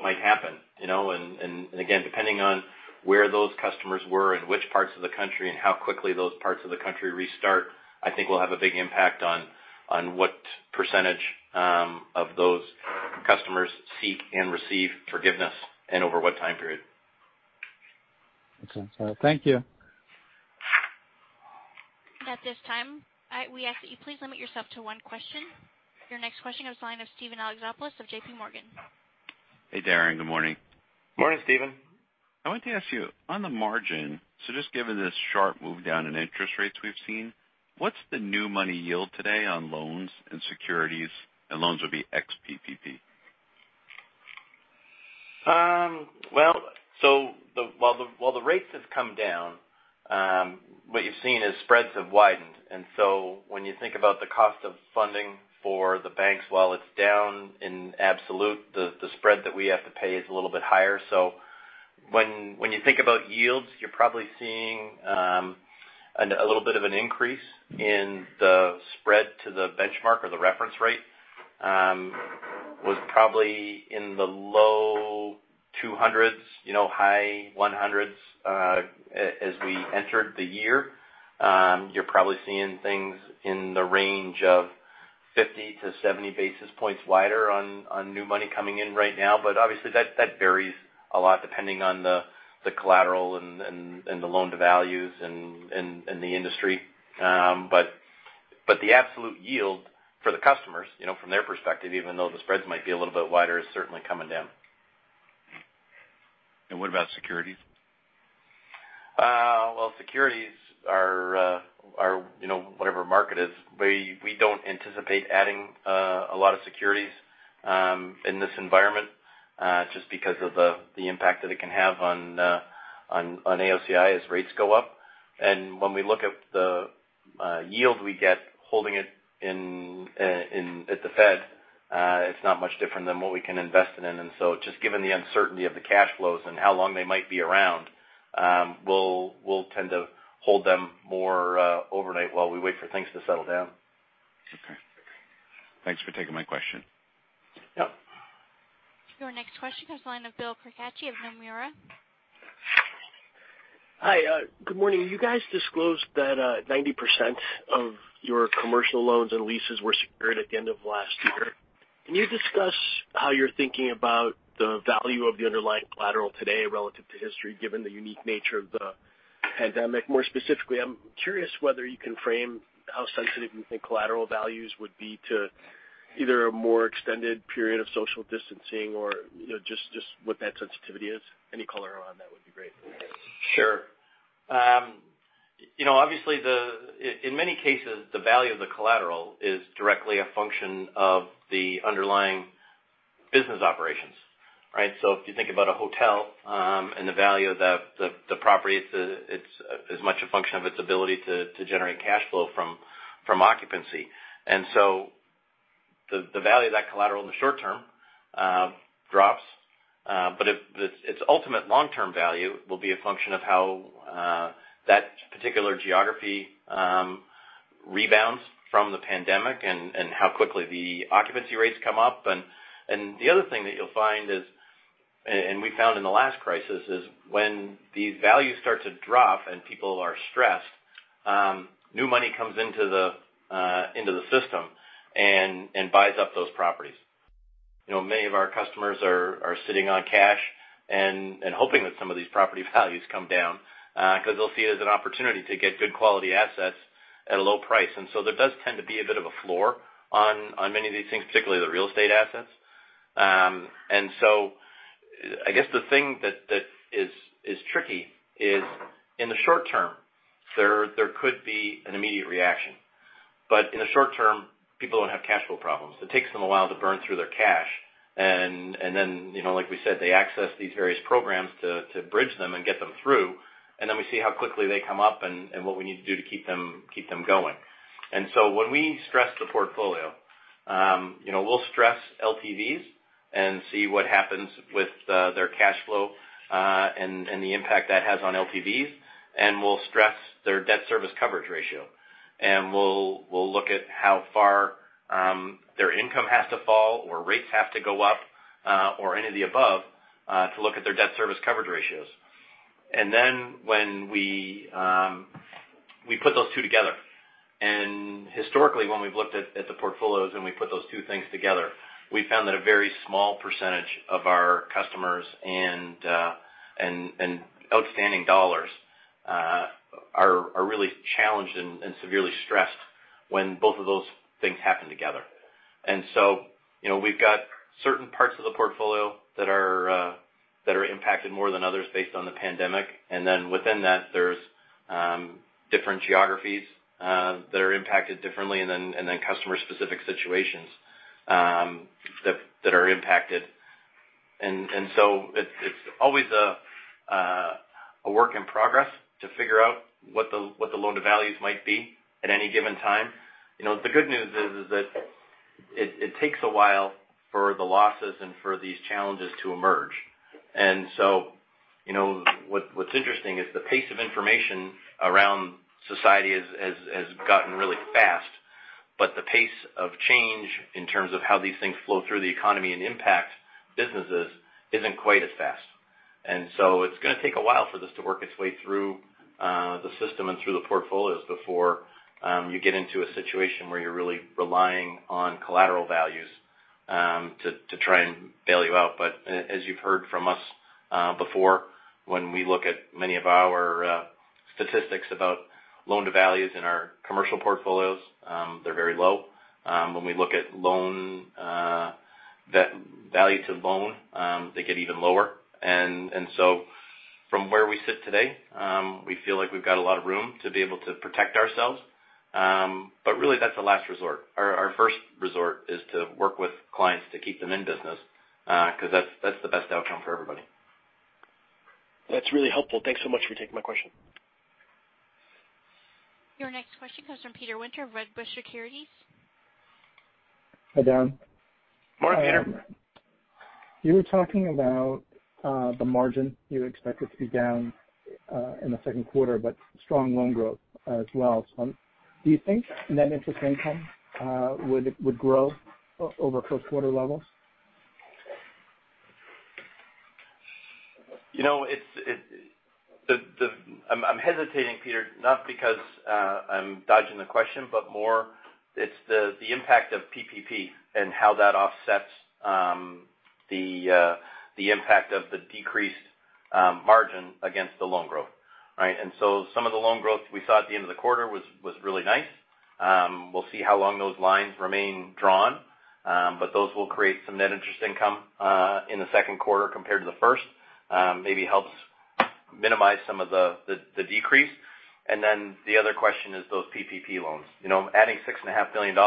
might happen. Again, depending on where those customers were, in which parts of the country, and how quickly those parts of the country restart, I think will have a big impact on what percentage of those customers seek and receive forgiveness and over what time period. Okay. Thank you. At this time, we ask that you please limit yourself to one question. Your next question comes to the line of Steven Alexopoulos of JPMorgan. Hey, Darren. Good morning. Morning, Steven. I wanted to ask you, on the margin, just given this sharp move down in interest rates we've seen, what's the new money yield today on loans and securities? Loans would be ex-PPP. Well, while the rates have come down, what you've seen is spreads have widened. When you think about the cost of funding for the banks, while it's down in absolute, the spread that we have to pay is a little bit higher. When you think about yields, you're probably seeing a little bit of an increase in the spread to the benchmark or the reference rate. Was probably in the low 200s, high 100s as we entered the year. You're probably seeing things in the range of 50 to 70 basis points wider on new money coming in right now. Obviously that varies a lot depending on the collateral and the loan-to-values and the industry. The absolute yield for the customers, from their perspective, even though the spreads might be a little bit wider, is certainly coming down. And what about securities? Well, securities are whatever market is. We don't anticipate adding a lot of securities in this environment just because of the impact that it can have on AOCI as rates go up. When we look at the yield we get holding it at Fed, it's not much different than what we can invest it in. Just given the uncertainty of the cash flows and how long they might be around, we'll tend to hold them more overnight while we wait for things to settle down. Okay. Thanks for taking my question. Yep. Your next question comes the line of Bill Carcache of Nomura. Hi, good morning. You guys disclosed that 90% of your commercial loans and leases were secured at the end of last year. Can you discuss how you're thinking about the value of the underlying collateral today relative to history, given the unique nature of the pandemic? More specifically, I'm curious whether you can frame how sensitive you think collateral values would be to either a more extended period of social distancing or just what that sensitivity is. Any color around that would be great. Sure. Obviously, in many cases, the value of the collateral is directly a function of the underlying business operations. Right? If you think about a hotel and the value of the property, it's as much a function of its ability to generate cash flow from occupancy. The value of that collateral in the short term drops. Its ultimate long-term value will be a function of how that particular geography rebounds from the pandemic and how quickly the occupancy rates come up. The other thing that you'll find is, and we found in the last crisis, is when these values start to drop and people are stressed, new money comes into the system and buys up those properties. Many of our customers are sitting on cash and hoping that some of these property values come down because they'll see it as an opportunity to get good quality assets at a low price. There does tend to be a bit of a floor on many of these things, particularly the real estate assets. I guess the thing that is tricky is in the short term, there could be an immediate reaction. In the short term, people don't have cash flow problems. It takes them a while to burn through their cash. Then, like we said, they access these various programs to bridge them and get them through, and then we see how quickly they come up and what we need to do to keep them going. When we stress the portfolio, we'll stress LTVs and see what happens with their cash flow and the impact that has on LTVs. We'll stress their debt service coverage ratio. We'll look at how far their income has to fall, or rates have to go up, or any of the above to look at their debt service coverage ratios. We put those two together. Historically, when we've looked at the portfolios, and we put those two things together, we found that a very small percentage of our customers and outstanding dollars are really challenged and severely stressed when both of those things happen together. We've got certain parts of the portfolio that are impacted more than others based on the pandemic. Within that, there's different geographies that are impacted differently, and then customer-specific situations that are impacted. It's always a work in progress to figure out what the loan-to-values might be at any given time. The good news is that it takes a while for the losses and for these challenges to emerge. What's interesting is the pace of information around society has gotten really fast, but the pace of change in terms of how these things flow through the economy and impact businesses isn't quite as fast. It's going to take a while for this to work its way through the system and through the portfolios before you get into a situation where you're really relying on collateral values to try and bail you out. As you've heard from us before, when we look at many of our statistics about loan-to-values in our commercial portfolios, they're very low. When we look at value to loan, they get even lower. From where we sit today, we feel like we've got a lot of room to be able to protect ourselves. Really, that's a last resort. Our first resort is to work with clients to keep them in business, because that's the best outcome for everybody. That's really helpful. Thanks so much for taking my question. Your next question comes from Peter Winter of Wedbush Securities. Hi, Darren. Morning, Peter. You were talking about the margin you expect it to be down in the second quarter, but strong loan growth as well. Do you think net interest income would grow over first quarter levels? I'm hesitating, Peter, not because I'm dodging the question, but more it's the impact of PPP and how that offsets the impact of the decreased margin against the loan growth. Right? Some of the loan growth we saw at the end of the quarter was really nice. We'll see how long those lines remain drawn. Those will create some net interest income in the second quarter compared to the first. Maybe helps minimize some of the decrease. The other question is those PPP loans. Adding $6.5 billion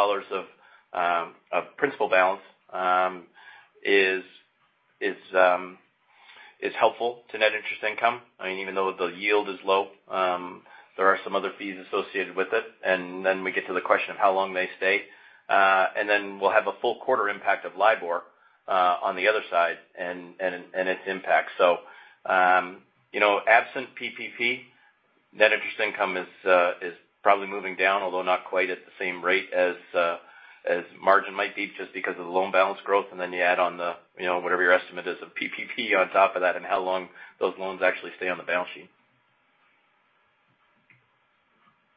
of principal balance is helpful to net interest income. I mean, even though the yield is low, there are some other fees associated with it. We get to the question of how long they stay. We'll have a full quarter impact of LIBOR on the other side, and its impact. Absent PPP, net interest income is probably moving down, although not quite at the same rate as margin might be just because of the loan balance growth, and then you add on the whatever your estimate is of PPP on top of that, and how long those loans actually stay on the balance sheet.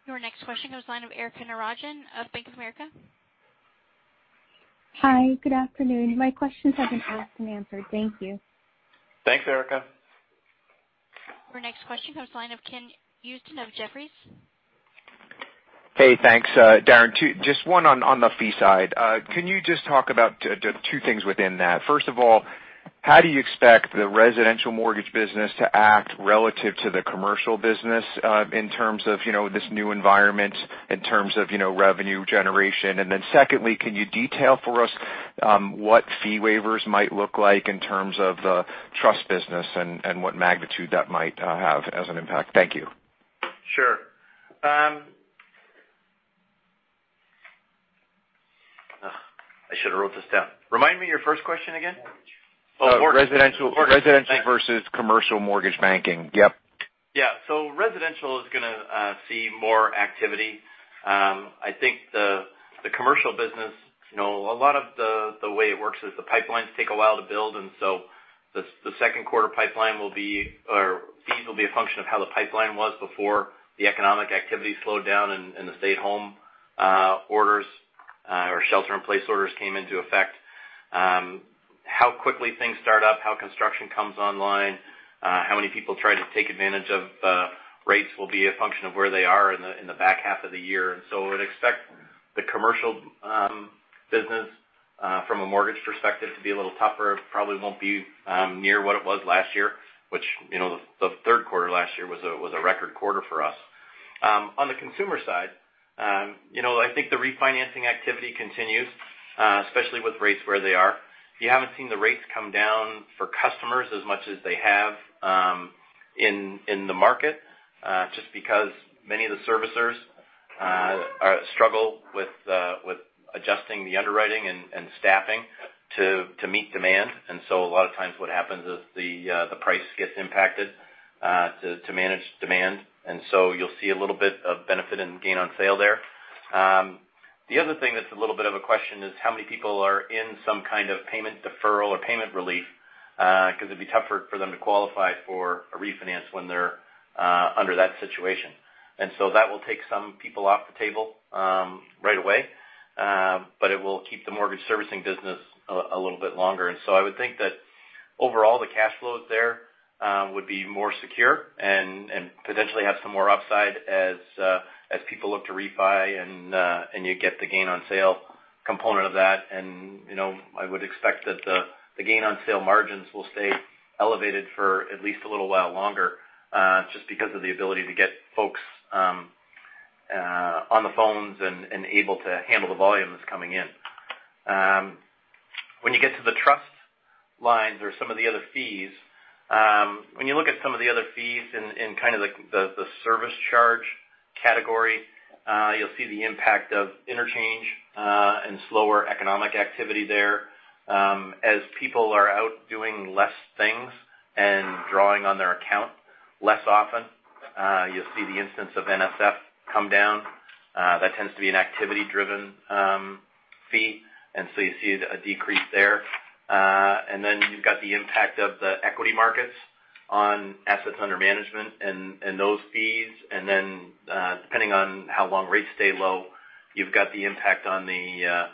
Your next question goes to the line of Erika Najarian of Bank of America. Hi, good afternoon. My questions have been asked and answered. Thank you. Thanks, Erika. Our next question comes line of Ken Usdin of Jefferies. Hey, thanks, Darren. Just one on the fee side. Can you just talk about two things within that? First of all, how do you expect the residential mortgage business to act relative to the commercial business in terms of this new environment, in terms of revenue generation? Secondly, can you detail for us what fee waivers might look like in terms of the trust business and what magnitude that might have as an impact? Thank you. Sure. I should have wrote this down. Remind me your first question again. Residential versus commercial mortgage banking. Yep. Yeah. Residential is going to see more activity. I think the commercial business, a lot of the way it works is the pipelines take a while to build, the second quarter pipeline fees will be a function of how the pipeline was before the economic activity slowed down, and the stay-at-home orders or shelter-in-place orders came into effect. How quickly things start up, how construction comes online, how many people try to take advantage of rates will be a function of where they are in the back half of the year. I would expect the commercial business from a mortgage perspective to be a little tougher. It probably won't be near what it was last year, which the third quarter last year was a record quarter for us. On the consumer side, I think the refinancing activity continues, especially with rates where they are. You haven't seen the rates come down for customers as much as they have in the market, just because many of the servicers struggle with adjusting the underwriting and staffing to meet demand. A lot of times, what happens is the price gets impacted to manage demand. You'll see a little bit of benefit in gain on sale there. The other thing that's a little bit of a question is how many people are in some kind of payment deferral or payment relief, because it would be tougher for them to qualify for a refinance when they're under that situation. That will take some people off the table right away. It will keep the mortgage servicing business a little bit longer. I would think that. Overall, the cash flows there would be more secure and potentially have some more upside as people look to refi, and you get the gain on sale component of that. I would expect that the gain on sale margins will stay elevated for at least a little while longer, just because of the ability to get folks on the phones and able to handle the volumes coming in. When you get to the trust lines or some of the other fees, when you look at some of the other fees in the service charge category, you'll see the impact of interchange and slower economic activity there. As people are out doing less things and drawing on their account less often, you'll see the instance of NSF come down. That tends to be an activity-driven fee, and so you see a decrease there. You've got the impact of the equity markets on assets under management and those fees. Depending on how long rates stay low, you've got the impact on the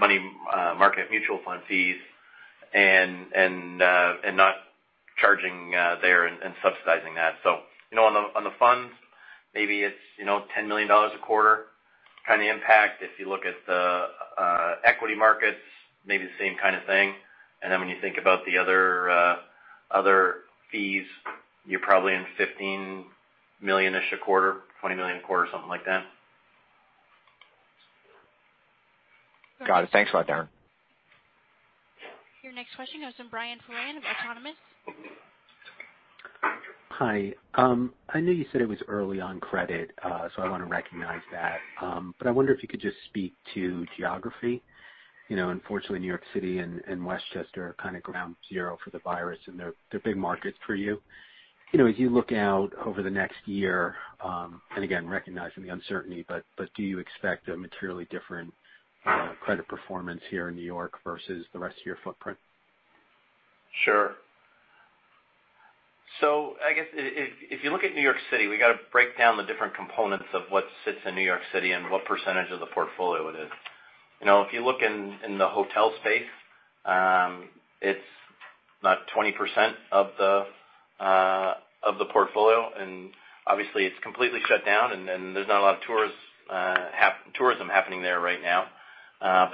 money market mutual fund fees, and not charging there and subsidizing that. On the funds, maybe it's $10 million a quarter kind of impact. If you look at the equity markets, maybe the same kind of thing. When you think about the other fees, you're probably in $15 million-ish a quarter, $20 million a quarter, something like that. Got it. Thanks a lot, Darren. Your next question comes from Brian Foran of Autonomous. Hi. I know you said it was early on credit, so I want to recognize that. I wonder if you could just speak to geography. Unfortunately, New York City and Westchester are kind of ground zero for the virus, and they're big markets for you. As you look out over the next year, and again, recognizing the uncertainty, do you expect a materially different credit performance here in New York versus the rest of your footprint? Sure. I guess if you look at New York City, we got to break down the different components of what sits in New York City and what % of the portfolio it is. If you look in the hotel space, it's about 20% of the portfolio, and obviously, it's completely shut down, and there's not a lot of tourism happening there right now.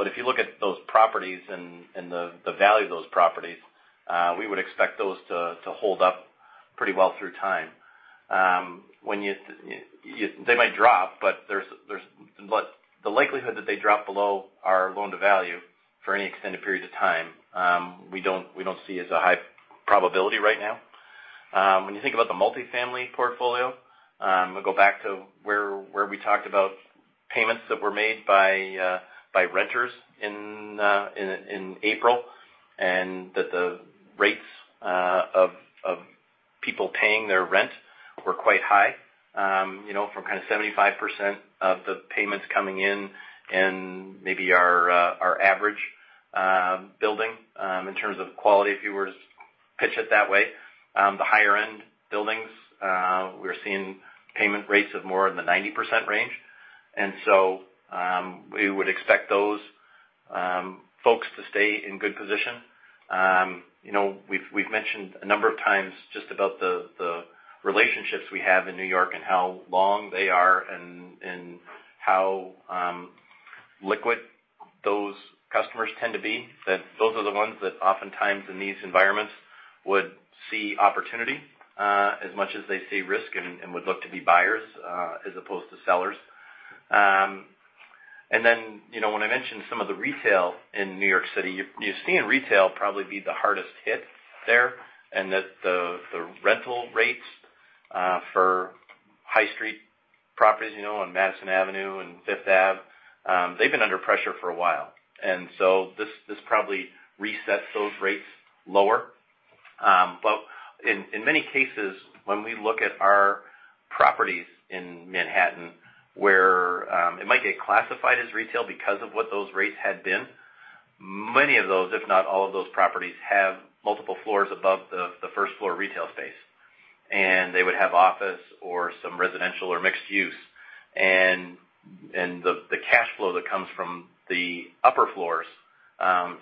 If you look at those properties and the value of those properties, we would expect those to hold up pretty well through time. They might drop, but the likelihood that they drop below our loan-to-value for any extended period of time, we don't see as a high probability right now. When you think about the multifamily portfolio, I'm going to go back to where we talked about payments that were made by renters in April, and that the rates of people paying their rent were quite high. From kind of 75% of the payments coming in in maybe our average building in terms of quality, if you were to pitch it that way. The higher-end buildings, we're seeing payment rates of more in the 90% range. We would expect those folks to stay in good position. We've mentioned a number of times just about the relationships we have in New York and how long they are and how liquid those customers tend to be. That those are the ones that oftentimes in these environments would see opportunity as much as they see risk and would look to be buyers as opposed to sellers. When I mentioned some of the retail in New York City, you're seeing retail probably be the hardest hit there, and that the rental rates for high street properties on Madison Avenue and Fifth Ave, they've been under pressure for a while. This probably resets those rates lower. In many cases, when we look at our properties in Manhattan, where it might get classified as retail because of what those rates had been. Many of those, if not all of those properties, have multiple floors above the first-floor retail space. They would have office or some residential or mixed use. The cash flow that comes from the upper floors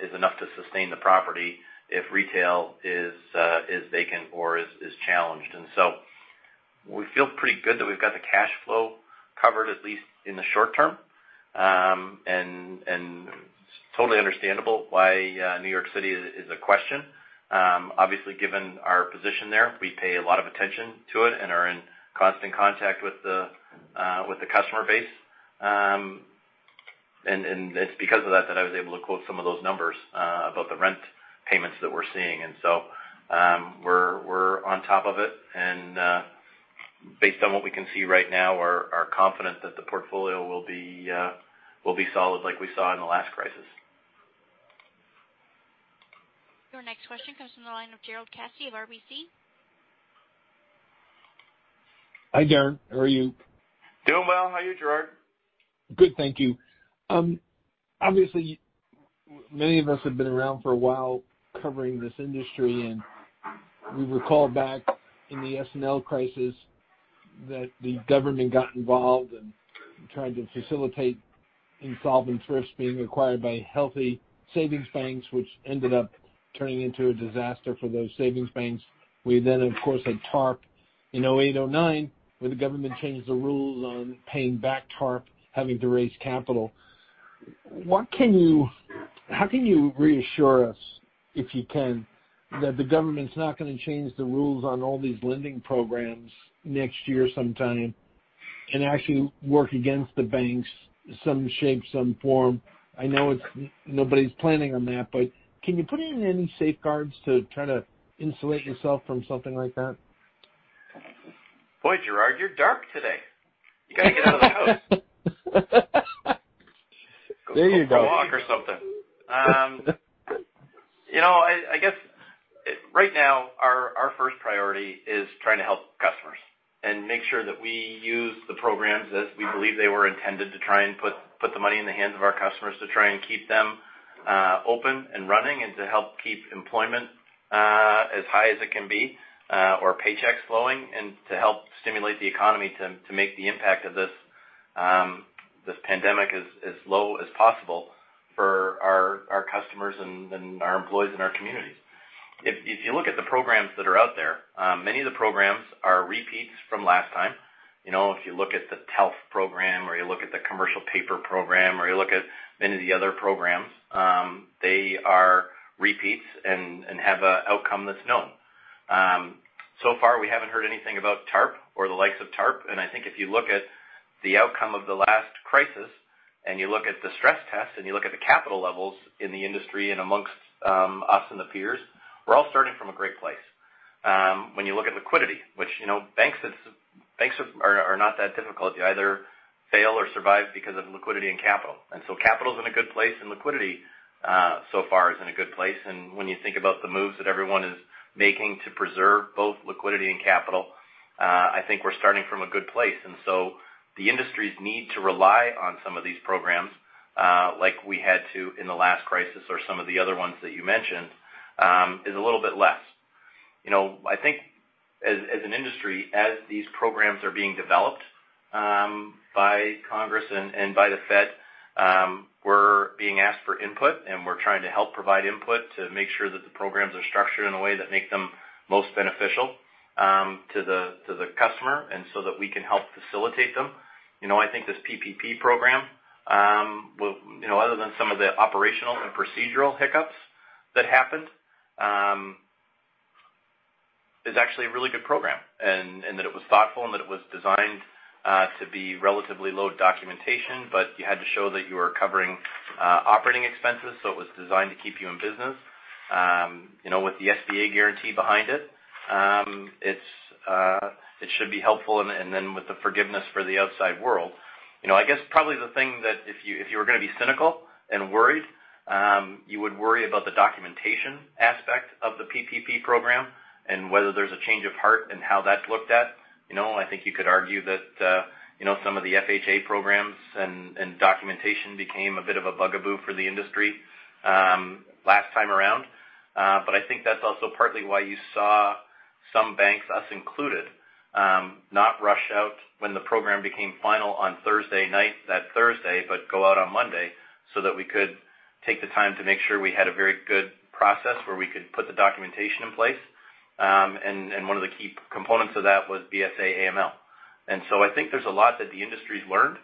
is enough to sustain the property if retail is vacant or is challenged. We feel pretty good that we've got the cash flow covered, at least in the short term. Totally understandable why New York City is a question. Obviously, given our position there, we pay a lot of attention to it and are in constant contact with the customer base. It's because of that that I was able to quote some of those numbers about the rent payments that we're seeing. We're on top of it. Based on what we can see right now, we are confident that the portfolio will be solid like we saw in the last crisis. Your next question comes from the line of Gerard Cassidy of RBC. Hi, Darren. How are you? Doing well. How are you, Gerard? Good, thank you. Obviously, many of us have been around for a while covering this industry. We recall back in the S&L crisis that the government got involved and tried to facilitate insolvent trusts being acquired by healthy savings banks, which ended up turning into a disaster for those savings banks. We then, of course, had TARP in 2008, 2009, where the government changed the rules on paying back TARP, having to raise capital. How can you reassure us, if you can, that the government's not going to change the rules on all these lending programs next year sometime and actually work against the banks, some shape, some form? I know nobody's planning on that, but can you put in any safeguards to try to insulate yourself from something like that? Oh Gerard, you're dark today. You got to get out of the house. There you go. Go for a walk or something. I guess right now our first priority is trying to help customers and make sure that we use the programs as we believe they were intended to try and put the money in the hands of our customers to try and keep them open and running and to help keep employment as high as it can be or paychecks flowing and to help stimulate the economy to make the impact of this pandemic as low as possible for our customers and our employees and our communities. If you look at the programs that are out there, many of the programs are repeats from last time. If you look at the TALF program or you look at the commercial paper program or you look at many of the other programs, they are repeats and have an outcome that's known. So far, we haven't heard anything about TARP or the likes of TARP, and I think if you look at the outcome of the last crisis and you look at the stress test and you look at the capital levels in the industry and amongst us and the peers, we're all starting from a great place. When you look at liquidity, which banks are not that difficult. You either fail or survive because of liquidity and capital. Capital's in a good place and liquidity so far is in a good place. When you think about the moves that everyone is making to preserve both liquidity and capital, I think we're starting from a good place. The industry's need to rely on some of these programs, like we had to in the last crisis, or some of the other ones that you mentioned, is a little bit less. I think as an industry, as these programs are being developed by Congress and by the Fed, we're being asked for input and we're trying to help provide input to make sure that the programs are structured in a way that make them most beneficial to the customer and so that we can help facilitate them. I think this PPP program other than some of the operational and procedural hiccups that happened, is actually a really good program and that it was thoughtful and that it was designed to be relatively low documentation, but you had to show that you were covering operating expenses, so it was designed to keep you in business. With the SBA guarantee behind it should be helpful, and then with the forgiveness for the outside world. I guess probably the thing that if you were going to be cynical and worried, you would worry about the documentation aspect of the PPP program and whether there's a change of heart and how that's looked at. I think you could argue that some of the FHA programs and documentation became a bit of a bugaboo for the industry last time around. I think that's also partly why you saw some banks, us included, not rush out when the program became final on Thursday night that Thursday, but go out on Monday so that we could take the time to make sure we had a very good process where we could put the documentation in place. One of the key components of that was BSA/AML. I think there's a lot that the industry's learned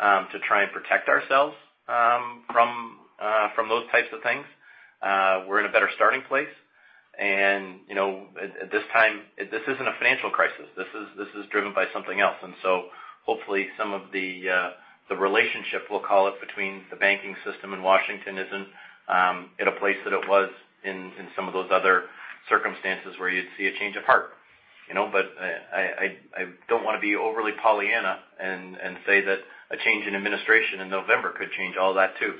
to try and protect ourselves from those types of things. We're in a better starting place. At this time, this isn't a financial crisis. This is driven by something else. Hopefully some of the relationship, we'll call it, between the banking system and Washington isn't in a place that it was in some of those other circumstances where you'd see a change of heart. I don't want to be overly Pollyanna and say that a change in administration in November could change all that too.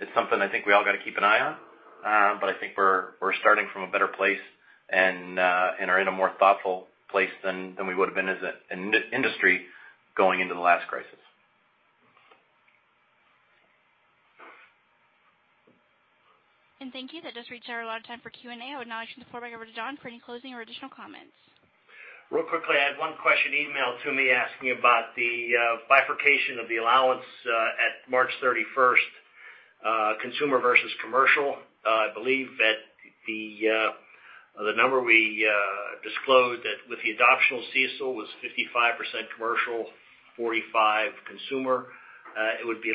It's something I think we all got to keep an eye on. I think we're starting from a better place and are in a more thoughtful place than we would have been as an industry going into the last crisis. Thank you. That does reach our allotted time for Q&A. I would now turn the floor back over to Don for any closing or additional comments. Real quickly, I had one question emailed to me asking about the bifurcation of the allowance on March 31st, consumer versus commercial. I believe that the number we disclosed that with the adoption of CECL, was 55% commercial, 45% consumer. It would be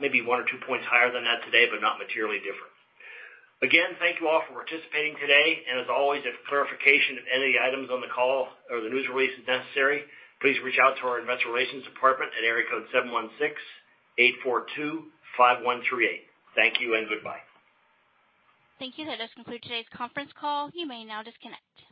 maybe one or two points higher than that today, but not materially different. Again, thank you all for participating today. As always, if clarification of any of the items on the call or the news release is necessary, please reach out to our investor relations department at area code 716-842-5138. Thank you and goodbye. Thank you. That does conclude today's conference call. You may now disconnect.